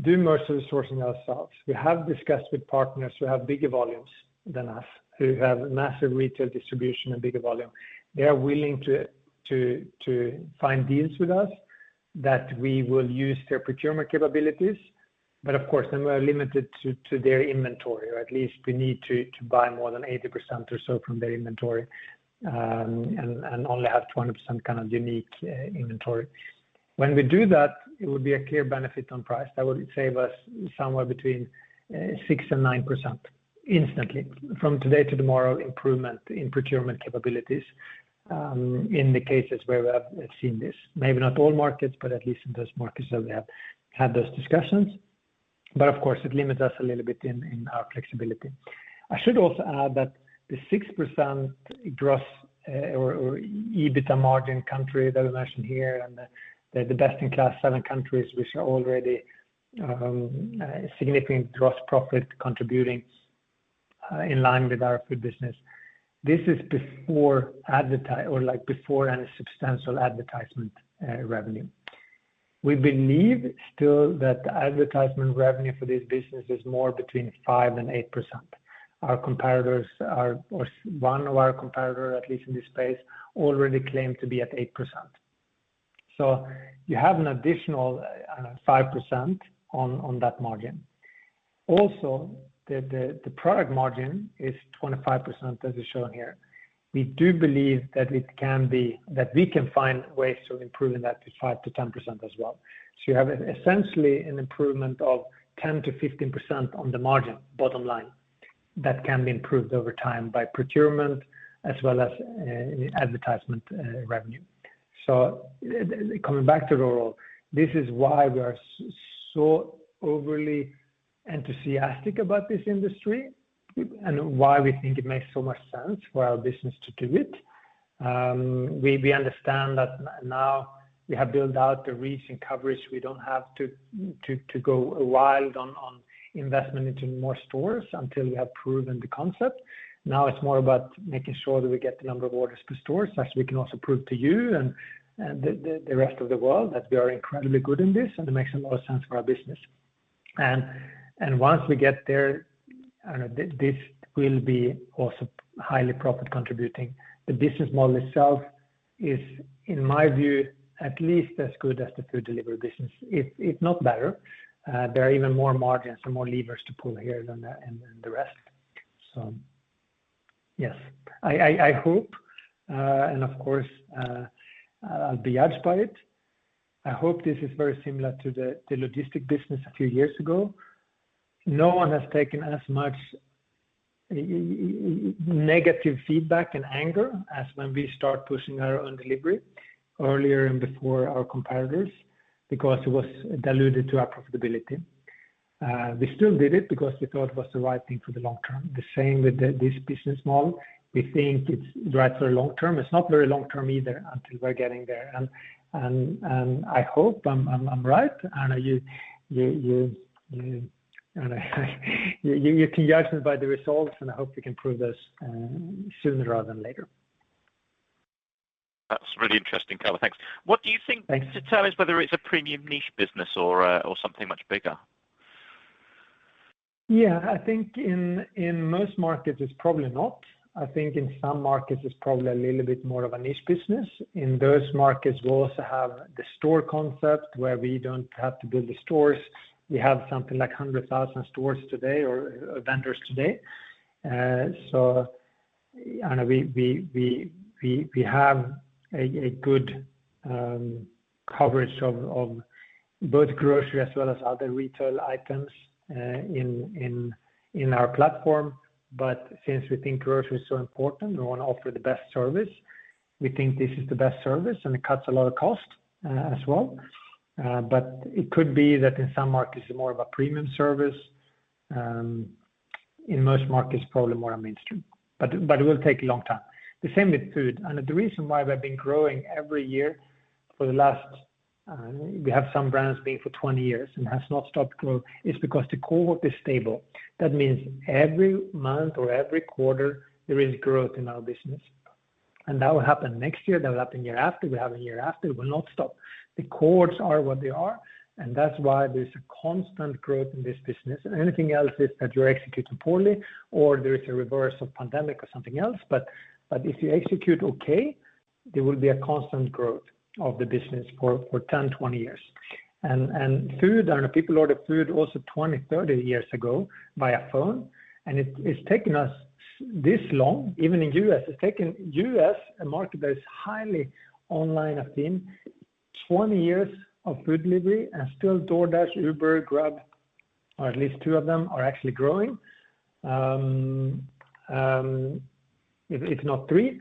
do most of the sourcing ourselves. We have discussed with partners who have bigger volumes than us, who have massive retail distribution and bigger volume. They are willing to find deals with us that we will use their procurement capabilities, but of course, then we're limited to their inventory, or at least we need to buy more than 80% or so from their inventory, and only have 20% kind of unique inventory. When we do that, it would be a clear benefit on price. That would save us somewhere between 6%-9% instantly from today to tomorrow improvement in procurement capabilities, in the cases where we have seen this. Maybe not all markets, but at least in those markets that we have had those discussions. Of course, it limits us a little bit in our flexibility. I should also add that the 6% gross or EBITDA margin country that we mentioned here and the best-in-class seven countries which are already significant gross profit contributing in line with our food business. This is before advertising or like before any substantial advertising revenue. We believe still that advertising revenue for this business is more between 5% and 8%. One of our competitors, at least in this space, already claims to be at 8%. You have an additional 5% on that margin. The product margin is 25% as is shown here. We do believe that we can find ways of improving that to 5%-10% as well. You have essentially an improvement of 10%-15% on the margin bottom line that can be improved over time by procurement as well as advertising revenue. Coming back to rural, this is why we are so overly enthusiastic about this industry and why we think it makes so much sense for our business to do it. We understand that now we have built out the reach and coverage, we don't have to go wild on investment into more stores until we have proven the concept. Now it's more about making sure that we get the number of orders per store, so as we can also prove to you and the rest of the world that we are incredibly good in this and it makes a lot of sense for our business. Once we get there, I don't know, this will be also highly profit contributing. The business model itself is, in my view, at least as good as the food delivery business, if not better. There are even more margins and more levers to pull here than the rest. Yes, I hope, and of course, I'll be judged by it. I hope this is very similar to the logistics business a few years ago. No one has taken as much negative feedback and anger as when we start pushing our own delivery earlier and before our competitors, because it was diluted to our profitability. We still did it because we thought it was the right thing for the long term. The same with this business model. We think it's right for long term. It's not very long term either until we're getting there. I hope I'm right, and you can judge us by the results, and I hope we can prove this sooner rather than later. That's really interesting, Color. Thanks. Thanks. What do you think determines whether it's a premium niche business or something much bigger? Yeah. I think in most markets, it's probably not. I think in some markets, it's probably a little bit more of a niche business. In those markets, we also have the store concept where we don't have to build the stores. We have something like 100,000 stores today or vendors today. We have a good coverage of both grocery as well as other retail items in our platform. Since we think grocery is so important, we want to offer the best service. We think this is the best service, and it cuts a lot of cost as well. It could be that in some markets, it's more of a premium service. In most markets, probably more mainstream, but it will take a long time. The same with food. The reason why we have been growing every year for the last we have some brands been for 20-years and has not stopped grow is because the cohort is stable. That means every month or every quarter there is growth in our business. That will happen next year, that will happen year after year, it will not stop. The cohorts are what they are, and that's why there's a constant growth in this business. Anything else is that you're executing poorly or there is a reverse of pandemic or something else. But if you execute okay, there will be a constant growth of the business for 10, 20-years. Food, I know people order food also 20, 30-years ago via phone, and it's taken us this long, even in U.S., it's taken U.S. a market that is highly online affinity, 20-years of food delivery and still DoorDash, Uber, Grab, or at least two of them are actually growing, if not three,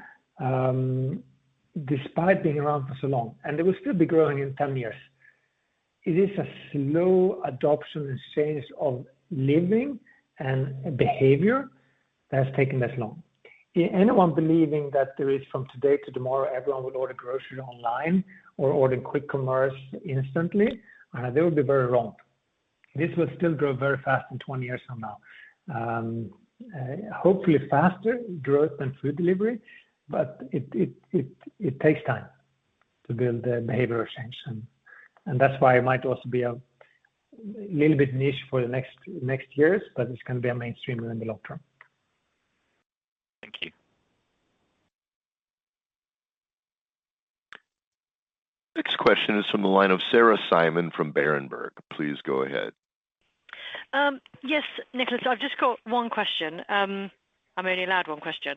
despite being around for so long, and they will still be growing in 10-years. It is a slow adoption and change of living and behavior that has taken this long. Anyone believing that there is from today to tomorrow, everyone will order grocery online or order quick commerce instantly, they will be very wrong. This will still grow very fast in 20-years from now. Hopefully faster growth than food delivery, but it takes time to build the behavioral change. That's why it might also be a little bit niche for the next years, but it's gonna be a mainstream in the long term. Thank you. Next question is from the line of Sarah Simon from Berenberg. Please go ahead. Yes, Niklas, I've just got one question. I'm only allowed one question.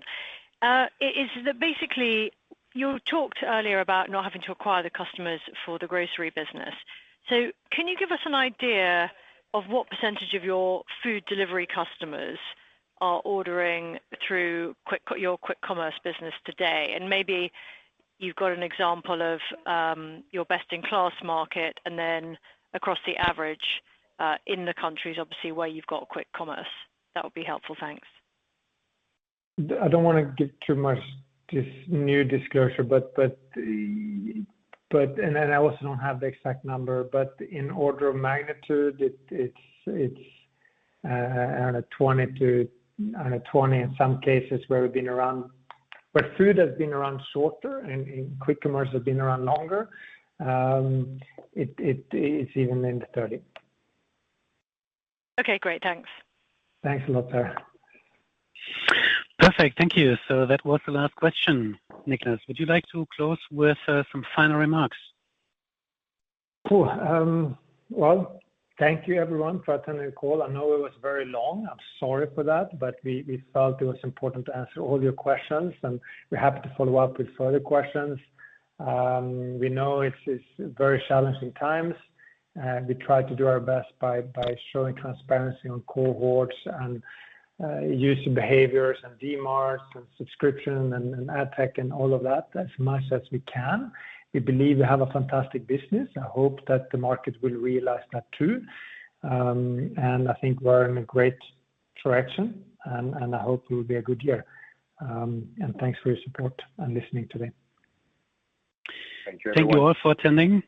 It is that basically you talked earlier about not having to acquire the customers for the grocery business. Can you give us an idea of what percentage of your food delivery customers are ordering through your quick commerce business today? And maybe you've got an example of your best-in-class market and then across the average in the countries obviously where you've got quick commerce. That would be helpful. Thanks. I don't wanna give too much this new disclosure. I also don't have the exact number, but in order of magnitude it's I don't know, 20 to I don't know, 20 in some cases where we've been around. Food has been around shorter and quick commerce has been around longer. It's even in the 30. Okay, great. Thanks. Thanks a lot, Sarah. Perfect. Thank you. That was the last question. Niklas, would you like to close with some final remarks? Cool. Thank you everyone for attending the call. I know it was very long. I'm sorry for that, but we felt it was important to answer all your questions, and we're happy to follow up with further questions. We know it's very challenging times. We try to do our best by showing transparency on cohorts and user behaviors and Dmart and subscription and ad tech and all of that as much as we can. We believe we have a fantastic business. I hope that the market will realize that too. I think we're in a great direction and I hope it will be a good year. Thanks for your support and listening today. Thank you everyone. Thank you all for attending.